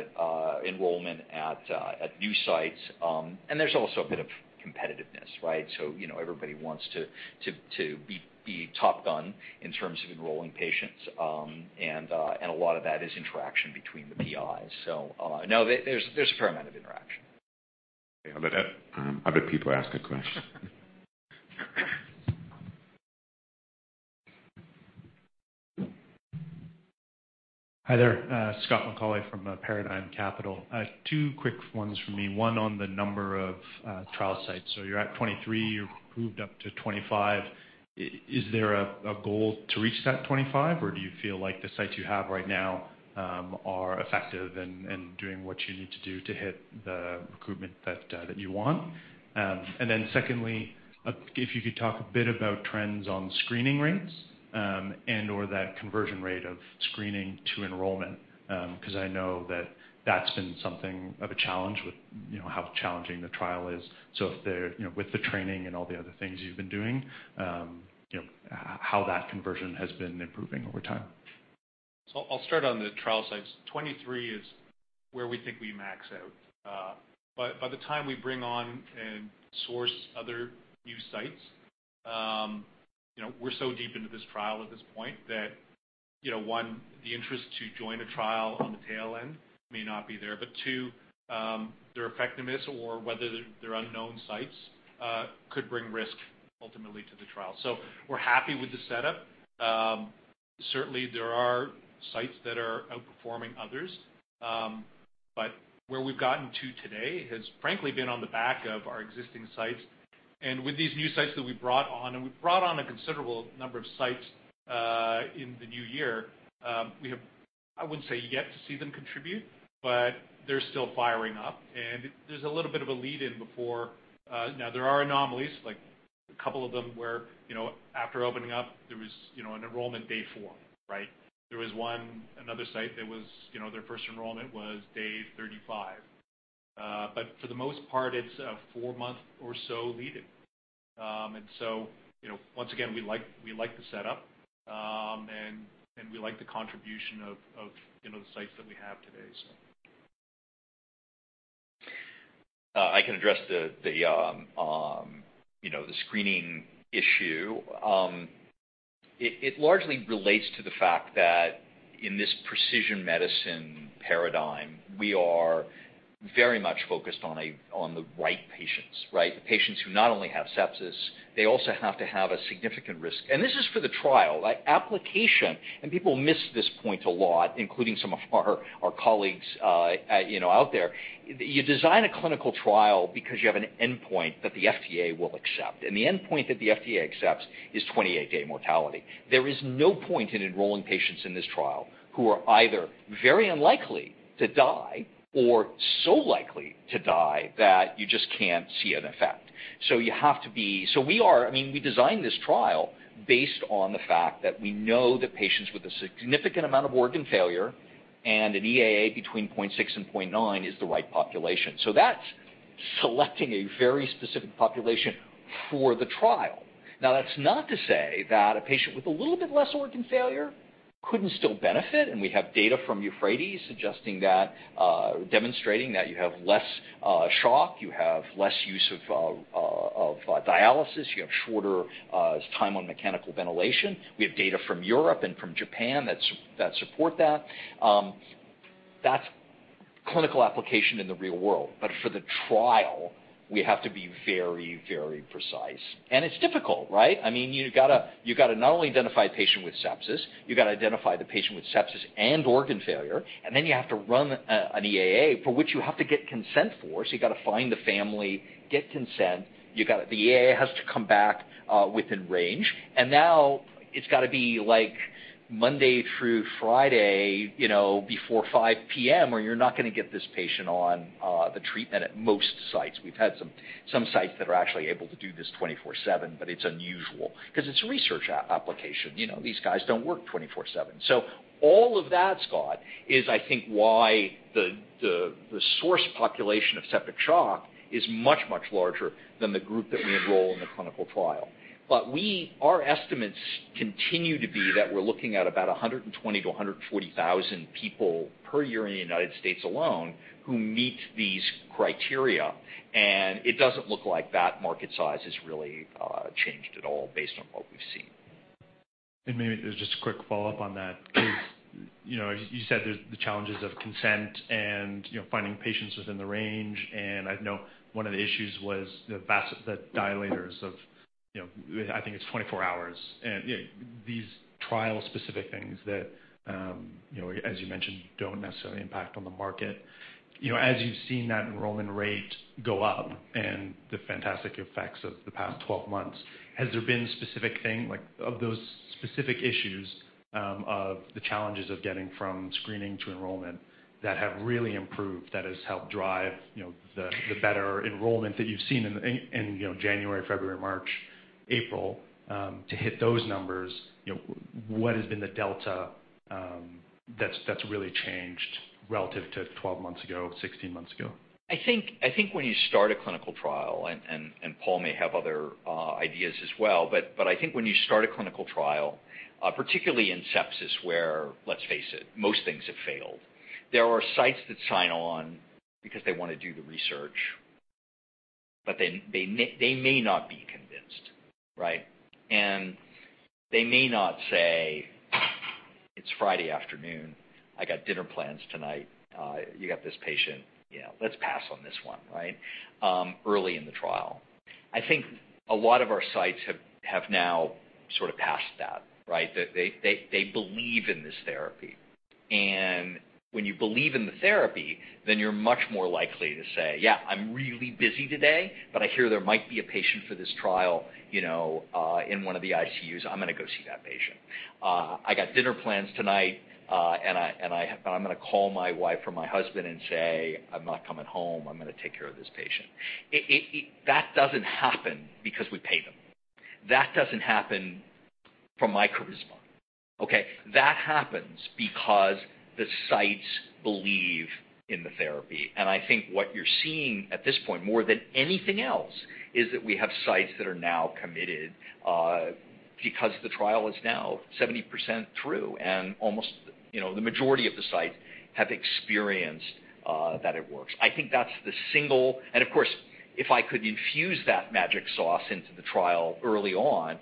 enrollment at new sites. There's also a bit of competitiveness, right? Everybody wants to be top gun in terms of enrolling patients, and a lot of that is interaction between the PIs. No, there's a fair amount of interaction. I'll let other people ask a question. Hi there. Scott McAuley from Paradigm Capital. Two quick ones from me. One on the number of trial sites. You're at 23, you approved up to 25. Is there a goal to reach that 25, or do you feel like the sites you have right now are effective and doing what you need to do to hit the recruitment that you want? Secondly, if you could talk a bit about trends on screening rates and/or that conversion rate of screening to enrollment because I know that's been something of a challenge with how challenging the trial is. With the training and all the other things you've been doing, how that conversion has been improving over time. I'll start on the trial sites. 23 is where we think we max out. By the time we bring on and source other new sites, we're so deep into this trial at this point that, one, the interest to join a trial on the tail end may not be there. Two, their effectiveness or whether they're unknown sites could bring risk ultimately to the trial. We're happy with the setup. Certainly, there are sites that are outperforming others. Where we've gotten to today has frankly been on the back of our existing sites. With these new sites that we brought on, and we brought on a considerable number of sites in the new year, we have, I wouldn't say yet to see them contribute, but they're still firing up, and there's a little bit of a lead in before. There are anomalies, like a couple of them where after opening up, there was an enrollment day four, right? There was another site, their first enrollment was day 35. For the most part, it's a four-month or so lead in. Once again, we like the setup, and we like the contribution of the sites that we have today. I can address the screening issue. It largely relates to the fact that in this precision medicine paradigm, we are very much focused on the right patients, right? The patients who not only have sepsis, they also have to have a significant risk. This is for the trial, like application, and people miss this point a lot, including some of our colleagues out there. You design a clinical trial because you have an endpoint that the FDA will accept. The endpoint that the FDA accepts is 28-day mortality. There is no point in enrolling patients in this trial who are either very unlikely to die or so likely to die that you just can't see an effect. We designed this trial based on the fact that we know that patients with a significant amount of organ failure and an EAA between 0.6 and 0.9 is the right population. That's selecting a very specific population for the trial. That's not to say that a patient with a little bit less organ failure couldn't still benefit, and we have data from EUPHRATES demonstrating that you have less shock, you have less use of dialysis, you have shorter time on mechanical ventilation. We have data from Europe and from Japan that support that. That's clinical application in the real world. For the trial, we have to be very, very precise. It's difficult, right? You've got to not only identify a patient with sepsis, you've got to identify the patient with sepsis and organ failure, and then you have to run an EAA, for which you have to get consent for. You've got to find the family, get consent. The EAA has to come back within range. Now it's got to be Monday through Friday before 5:00 P.M., or you're not going to get this patient on the treatment at most sites. We've had some sites that are actually able to do this 24/7, but it's unusual because it's a research application. These guys don't work 24/7. All of that, Scott, is, I think, why the source population of septic shock is much, much larger than the group that we enroll in the clinical trial. Our estimates continue to be that we're looking at about 120,000-140,000 people per year in the United States alone who meet these criteria, and it doesn't look like that market size has really changed at all based on what we've seen. Maybe just a quick follow-up on that. You said there's the challenges of consent and finding patients within the range, I know one of the issues was the dilators of, I think it's 24 hours, and these trial-specific things that, as you mentioned, don't necessarily impact on the market. As you've seen that enrollment rate go up and the fantastic effects of the past 12 months, has there been specific things, like of those specific issues of the challenges of getting from screening to enrollment that have really improved, that has helped drive the better enrollment that you've seen in January, February, March, April to hit those numbers? What has been the delta that's really changed relative to 12 months ago, 16 months ago? I think when you start a clinical trial, and Paul may have other ideas as well, but I think when you start a clinical trial, particularly in sepsis, where, let's face it, most things have failed. There are sites that sign on because they want to do the research, but they may not be convinced, right? They may not say, "It's Friday afternoon. I got dinner plans tonight. You got this patient, let's pass on this one," right? Early in the trial. I think a lot of our sites have now sort of passed that. Right? That they believe in this therapy. When you believe in the therapy, then you're much more likely to say, "Yeah, I'm really busy today, but I hear there might be a patient for this trial in one of the ICUs. I'm going to go see that patient. I got dinner plans tonight, and I'm going to call my wife or my husband and say, 'I'm not coming home. I'm going to take care of this patient.'" That doesn't happen because we pay them. That doesn't happen from my charisma, okay? That happens because the sites believe in the therapy. I think what you're seeing at this point, more than anything else, is that we have sites that are now committed because the trial is now 70% through, and the majority of the sites have experienced that it works. Of course, if I could infuse that magic sauce into the trial early on,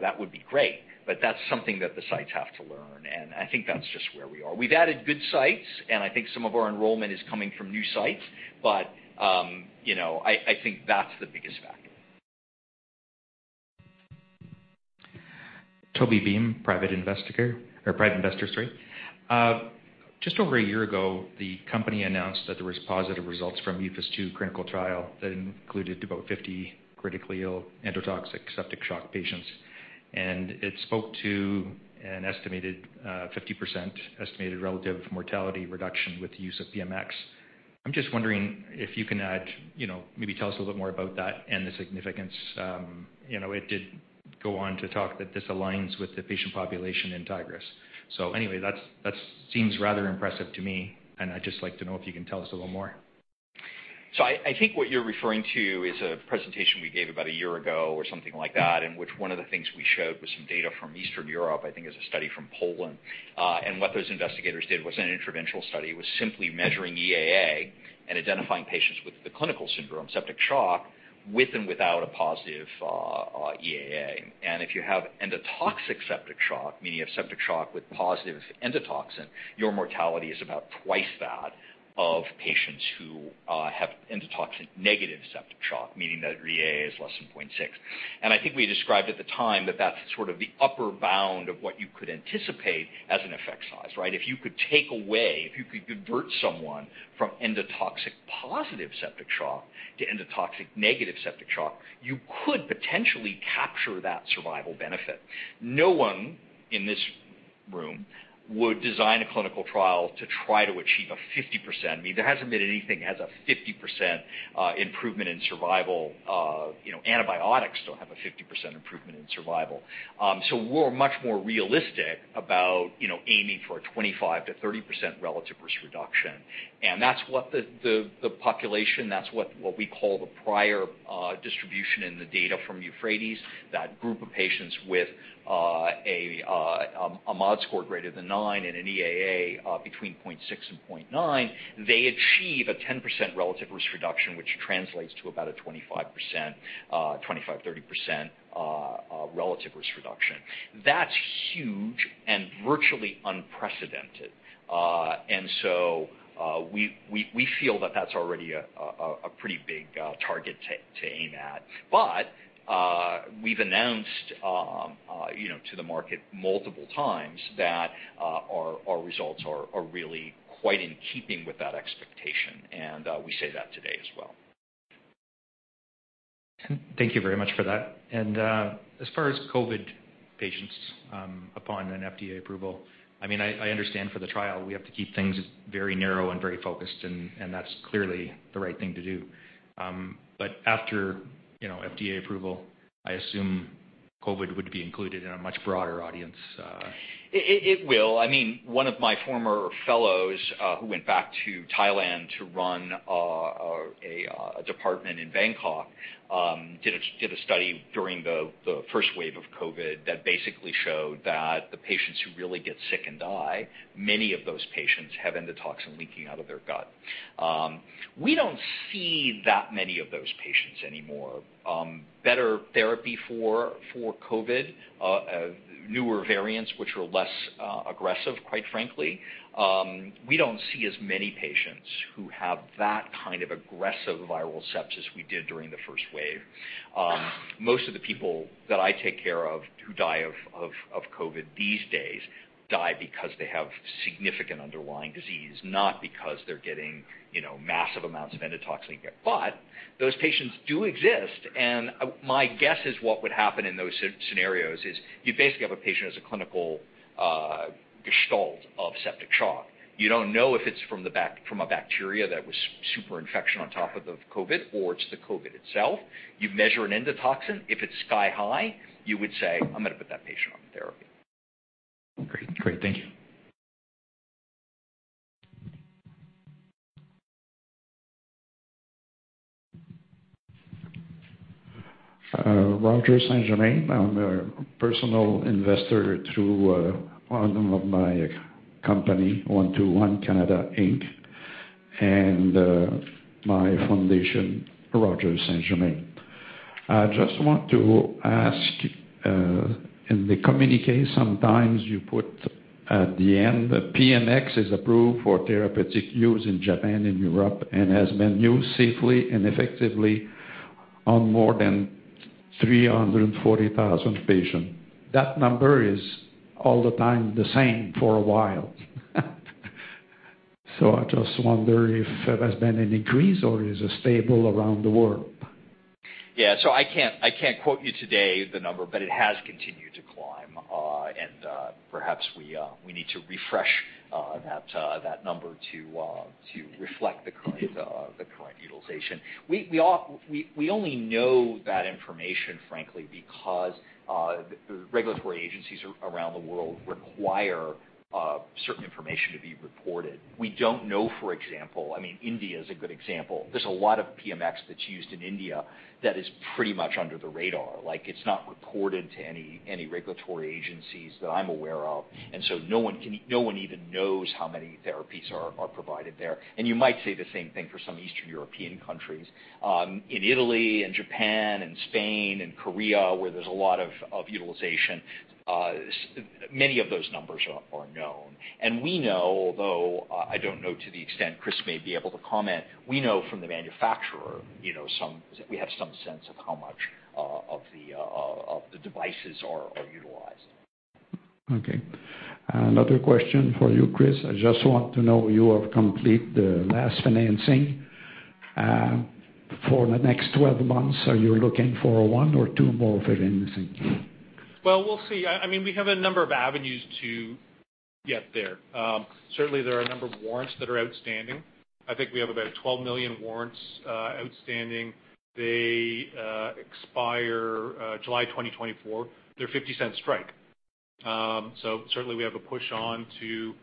that would be great. That's something that the sites have to learn, and I think that's just where we are. We've added good sites, and I think some of our enrollment is coming from new sites. I think that's the biggest factor. Toby Beam, Private Investor, sorry. Just over a year ago, the company announced that there was positive results from phase II clinical trial that included about 50 critically ill endotoxic septic shock patients, and it spoke to an estimated 50% estimated relative mortality reduction with the use of PMX. I'm just wondering if you can maybe tell us a little bit more about that and the significance? It did go on to talk that this aligns with the patient population in Tigris. Anyway, that seems rather impressive to me, and I'd just like to know if you can tell us a little more. I think what you're referring to is a presentation we gave about a year ago or something like that, in which one of the things we showed was some data from Eastern Europe, I think it was a study from Poland. What those investigators did was an interventional study, was simply measuring EAA and identifying patients with the clinical syndrome, septic shock, with and without a positive EAA. If you have endotoxic septic shock, meaning you have septic shock with positive endotoxin, your mortality is about twice that of patients who have endotoxin negative septic shock, meaning that your EAA is less than 0.6. I think we described at the time that that's sort of the upper bound of what you could anticipate as an effect size, right? If you could take away, if you could convert someone from endotoxic positive septic shock to endotoxic negative septic shock, you could potentially capture that survival benefit. No one in this room would design a clinical trial to try to achieve a 50%. I mean, there hasn't been anything that has a 50% improvement in survival. Antibiotics don't have a 50% improvement in survival. We're much more realistic about aiming for a 25% to 30% relative risk reduction. That's what the population, that's what we call the prior distribution in the data from EUPHRATES, that group of patients with a MODS score greater than nine and an EAA between 0.6 and 0.9, they achieve a 10% relative risk reduction, which translates to about a 25%, 30% relative risk reduction. That's huge and virtually unprecedented. We feel that that's already a pretty big target to aim at. We've announced to the market multiple times that our results are really quite in keeping with that expectation, and we say that today as well. Thank you very much for that. As far as COVID patients, upon an FDA approval, I understand for the trial, we have to keep things very narrow and very focused, and that's clearly the right thing to do. After FDA approval, I assume COVID would be included in a much broader audience. It will. One of my former fellows, who went back to Thailand to run a department in Bangkok, did a study during the first wave of COVID that basically showed that the patients who really get sick and die, many of those patients have endotoxin leaking out of their gut. We don't see that many of those patients anymore. Better therapy for COVID, newer variants, which are less aggressive, quite frankly. We don't see as many patients who have that kind of aggressive viral sepsis we did during the first wave. Most of the people that I take care of who die of COVID these days die because they have significant underlying disease, not because they're getting massive amounts of endotoxin. Those patients do exist, and my guess is what would happen in those scenarios is you basically have a patient as a clinical gestalt of septic shock. You don't know if it's from a bacteria that was super infection on top of the COVID, or it's the COVID itself. You measure an endotoxin. If it's sky-high, you would say, "I'm going to put that patient on the therapy. Great. Thank you. Roger St-Germain, I'm a personal investor through one of my companies, 121 Canada Inc, and my foundation, Roger St-Germain. I just want to ask, in the communiqué, sometimes you put at the end that PMX is approved for therapeutic use in Japan and Europe and has been used safely and effectively on more than 340,000 patients. That number is all the time the same for a while. I just wonder if there has been an increase or is it stable around the world? Yeah. I can't quote you today the number, but it has continued to climb. Perhaps we need to refresh that number to reflect the current utilization. We only know that information, frankly, because regulatory agencies around the world require certain information to be reported. We don't know, for example, India's a good example. There's a lot of PMX that's used in India that is pretty much under the radar. It's not reported to any regulatory agencies that I'm aware of, and so no one even knows how many therapies are provided there. You might say the same thing for some Eastern European countries. In Italy and Japan and Spain and Korea, where there's a lot of utilization, many of those numbers are known. We know, although I don't know to the extent Chris may be able to comment, we know from the manufacturer, we have some sense of how much of the devices are utilized. Okay. Another question for you, Chris. I just want to know, you have completed the last financing. For the next 12 months, are you looking for one or two more financings? Well, we'll see. We have a number of avenues to get there. Certainly, there are a number of warrants that are outstanding. I think we have about 12 million warrants outstanding. They expire July 2024. They're a CAD 0.50 strike. Certainly we have a push on to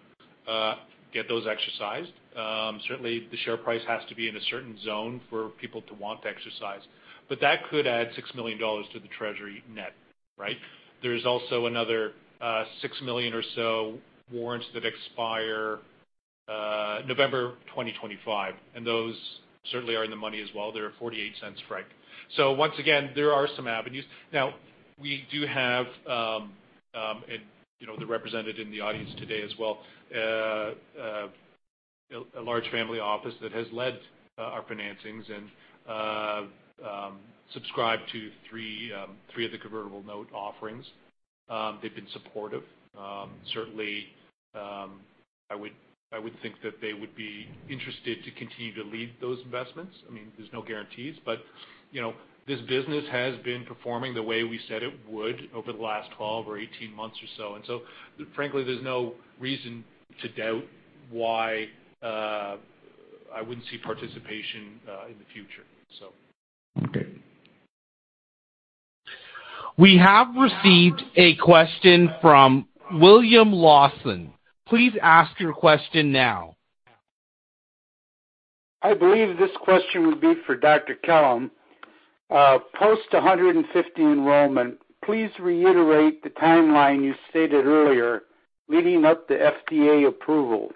get those exercised. Certainly, the share price has to be in a certain zone for people to want to exercise, that could add 6 million dollars to the treasury net. Right? There's also another six million or so warrants that expire November 2025, those certainly are in the money as well. They're a 0.48 strike. Once again, there are some avenues. We do have, and they're represented in the audience today as well, a large family office that has led our financings and subscribed to three of the convertible note offerings. They've been supportive. Certainly, I would think that they would be interested to continue to lead those investments. There is no guarantees, but this business has been performing the way we said it would over the last 12 or 18 months or so. Frankly, there is no reason to doubt why I wouldn't see participation in the future. Okay. We have received a question from William Lawson. Please ask your question now. I believe this question would be for Dr. Kellum. Post 150 enrollment, please reiterate the timeline you stated earlier leading up to FDA approval.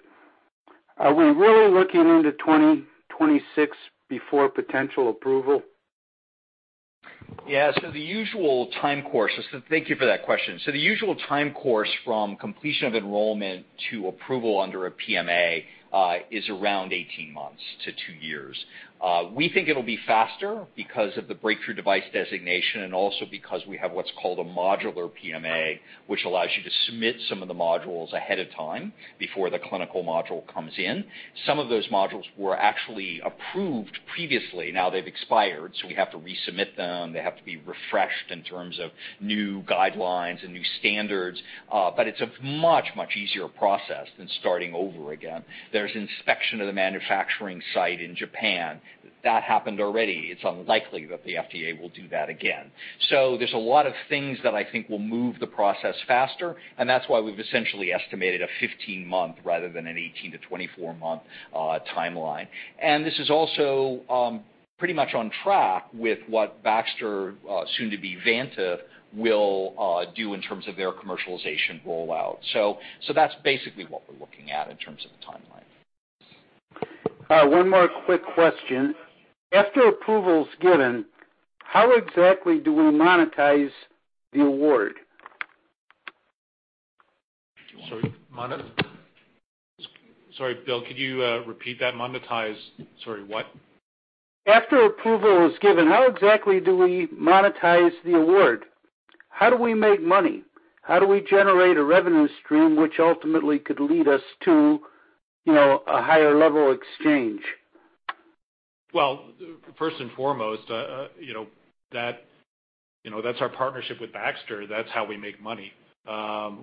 Are we really looking into 2026 before potential approval? Yeah. Thank you for that question. The usual time course from completion of enrollment to approval under a PMA is around 18 months to two years. We think it'll be faster because of the Breakthrough Device designation, and also because we have what's called a Modular PMA, which allows you to submit some of the modules ahead of time before the clinical module comes in. Some of those modules were actually approved previously. Now they've expired, so we have to resubmit them. They have to be refreshed in terms of new guidelines and new standards. It's a much, much easier process than starting over again. There's inspection of the manufacturing site in Japan. That happened already. It's unlikely that the FDA will do that again. There's a lot of things that I think will move the process faster, that's why we've essentially estimated a 15-month rather than an 18- to 24-month timeline. This is also pretty much on track with what Baxter, soon to be Vantive, will do in terms of their commercialization rollout. That's basically what we're looking at in terms of the timeline. One more quick question. After approval is given, how exactly do we monetize the award? Sorry, Will, could you repeat that? Monetize, sorry, what? After approval is given, how exactly do we monetize the award? How do we make money? How do we generate a revenue stream which ultimately could lead us to a higher level exchange? Well, first and foremost that's our partnership with Baxter. That's how we make money.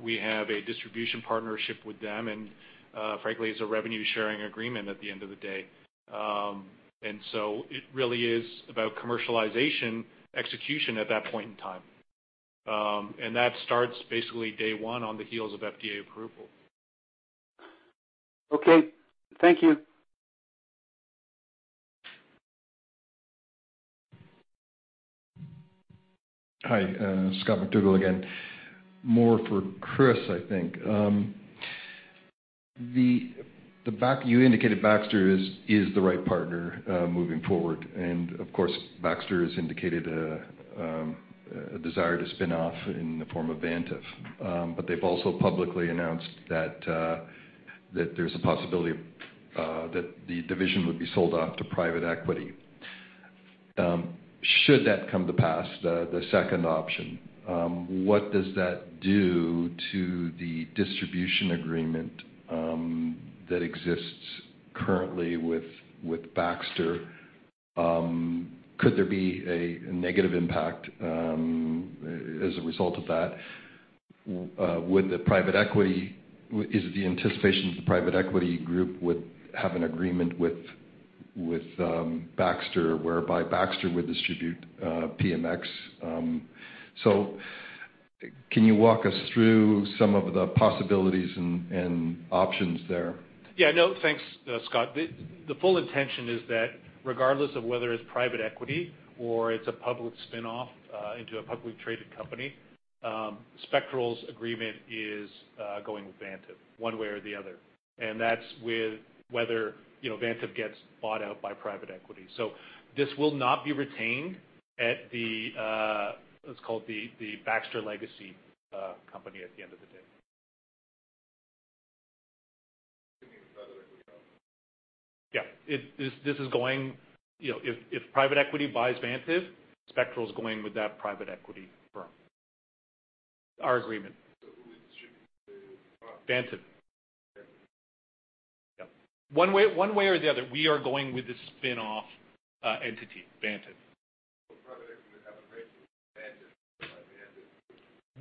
We have a distribution partnership with them. Frankly, it's a revenue-sharing agreement at the end of the day. It really is about commercialization execution at that point in time. That starts basically day one on the heels of FDA approval. Okay. Thank you. Hi, Scott McDougal again. More for Chris, I think. You indicated Baxter is the right partner moving forward, of course, Baxter has indicated a desire to spin off in the form of Vantive. They've also publicly announced that there's a possibility that the division would be sold off to private equity. Should that come to pass, the second option, what does that do to the distribution agreement that exists currently with Baxter? Could there be a negative impact as a result of that? Is the anticipation that the private equity group would have an agreement with Baxter, whereby Baxter would distribute PMX? Can you walk us through some of the possibilities and options there? No, thanks, Scott. The full intention is that regardless of whether it's private equity or it's a public spin-off into a publicly traded company, Spectral's agreement is going with Vantive one way or the other. That's whether Vantive gets bought out by private equity. This will not be retained at the, let's call it the Baxter legacy company at the end of the day. You mean private equity firm? Yeah. If private equity buys Vantive, Spectral's going with that private equity firm. Our agreement. Who distributes the product? Vantive. Okay. Yep. One way or the other, we are going with the spin-off entity, Vantive. Private equity would have a right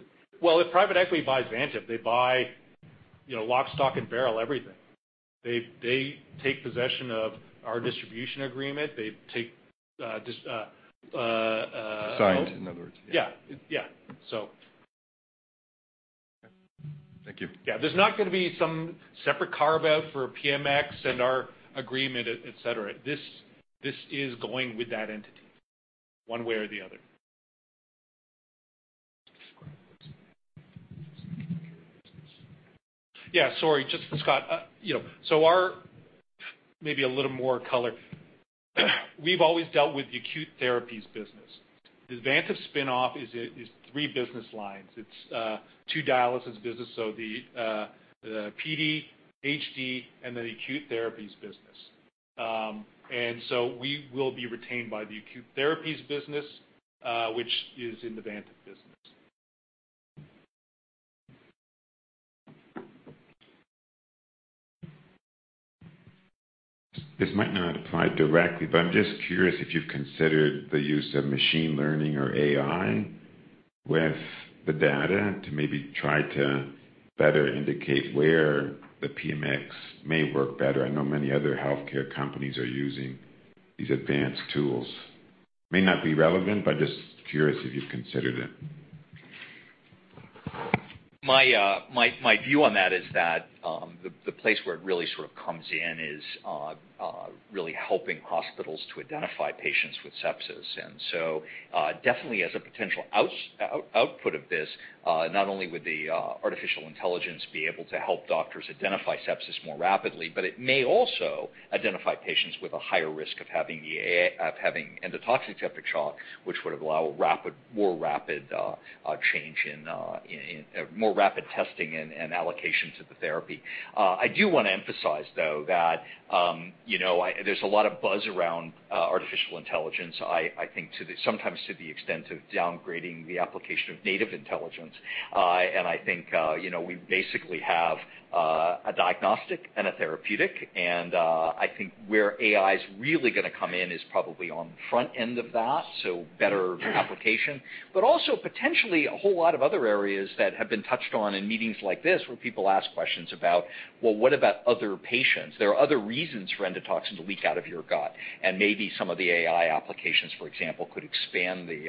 to. Well, if private equity buys Vantive, they buy lock, stock, and barrel, everything. They take possession of our distribution agreement. Signed, in other words. Yeah. Okay. Thank you. Yeah. There's not going to be some separate carve-out for PMX and our agreement, et cetera. This is going with that entity, one way or the other. Yeah, sorry, just for Scott. Maybe a little more color. We've always dealt with the acute therapies business. The Vantive spinoff is three business lines. It's two dialysis business, so the PD, HD, then acute therapies business. We will be retained by the acute therapies business, which is in the Vantive business. This might not apply directly, but I'm just curious if you've considered the use of machine learning or AI with the data to maybe try to better indicate where the PMX may work better. I know many other healthcare companies are using these advanced tools. May not be relevant, but just curious if you've considered it. My view on that is that the place where it really sort of comes in is really helping hospitals to identify patients with sepsis. Definitely as a potential output of this, not only would the artificial intelligence be able to help doctors identify sepsis more rapidly, but it may also identify patients with a higher risk of having endotoxic septic shock, which would allow a more rapid testing and allocation to the therapy. I do want to emphasize, though, that there's a lot of buzz around artificial intelligence, I think sometimes to the extent of downgrading the application of native intelligence. I think we basically have a diagnostic and a therapeutic, and I think where AI's really going to come in is probably on the front end of that, so better application. Also potentially a whole lot of other areas that have been touched on in meetings like this where people ask questions about, well, what about other patients? There are other reasons for endotoxin to leak out of your gut, and maybe some of the AI applications, for example, could expand the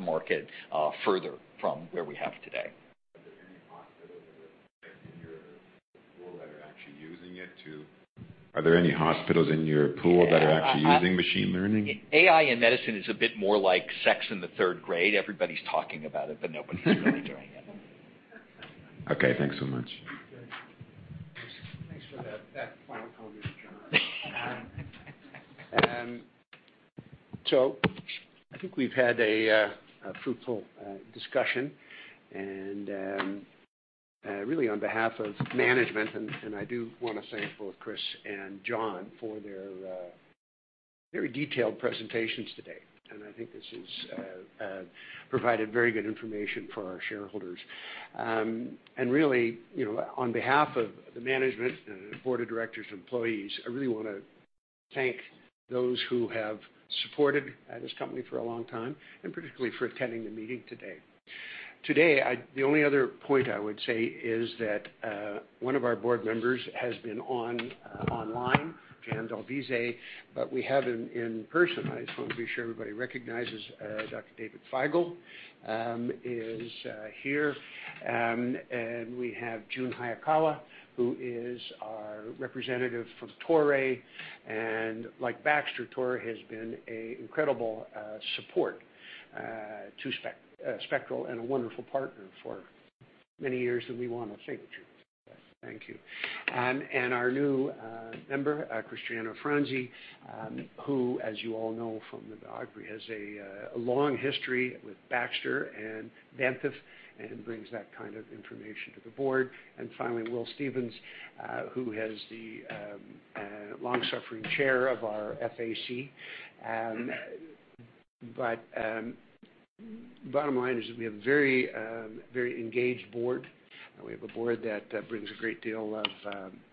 market further from where we have today. Are there any hospitals in your pool that are actually using machine learning? AI in medicine is a bit more like sex in the third grade. Everybody's talking about it, but nobody's really doing it. Okay, thanks so much. Thanks for that final comment, John. I think we've had a fruitful discussion and really on behalf of management, I do want to thank both Chris and John for their very detailed presentations today. I think this has provided very good information for our shareholders. Really, on behalf of the management and the board of directors, employees, I really want to thank those who have supported this company for a long time, and particularly for attending the meeting today. Today, the only other point I would say is that one of our board members has been online, Jan D'Alvise, but we have him in person. I just want to be sure everybody recognizes Dr. David Feigal is here. We have Jun Hayakawa, who is our representative from Toray. Like Baxter, Toray has been an incredible support to Spectral and a wonderful partner for many years, and we want to thank Jun. Thank you. Our new member, Cristiano Franzi, who, as you all know from the biography, has a long history with Baxter and Vantive and brings that kind of information to the board. Finally, Will Stevens, who is the long-suffering Chair of our FAC. Bottom line is that we have a very engaged board, and we have a board that brings a great deal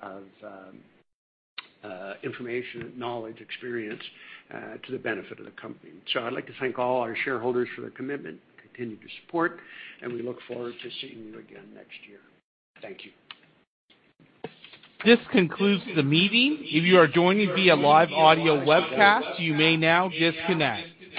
of information, knowledge, experience to the benefit of the company. I'd like to thank all our shareholders for their commitment and continued support, and we look forward to seeing you again next year. Thank you. This concludes the meeting. If you are joining via live audio webcast, you may now disconnect.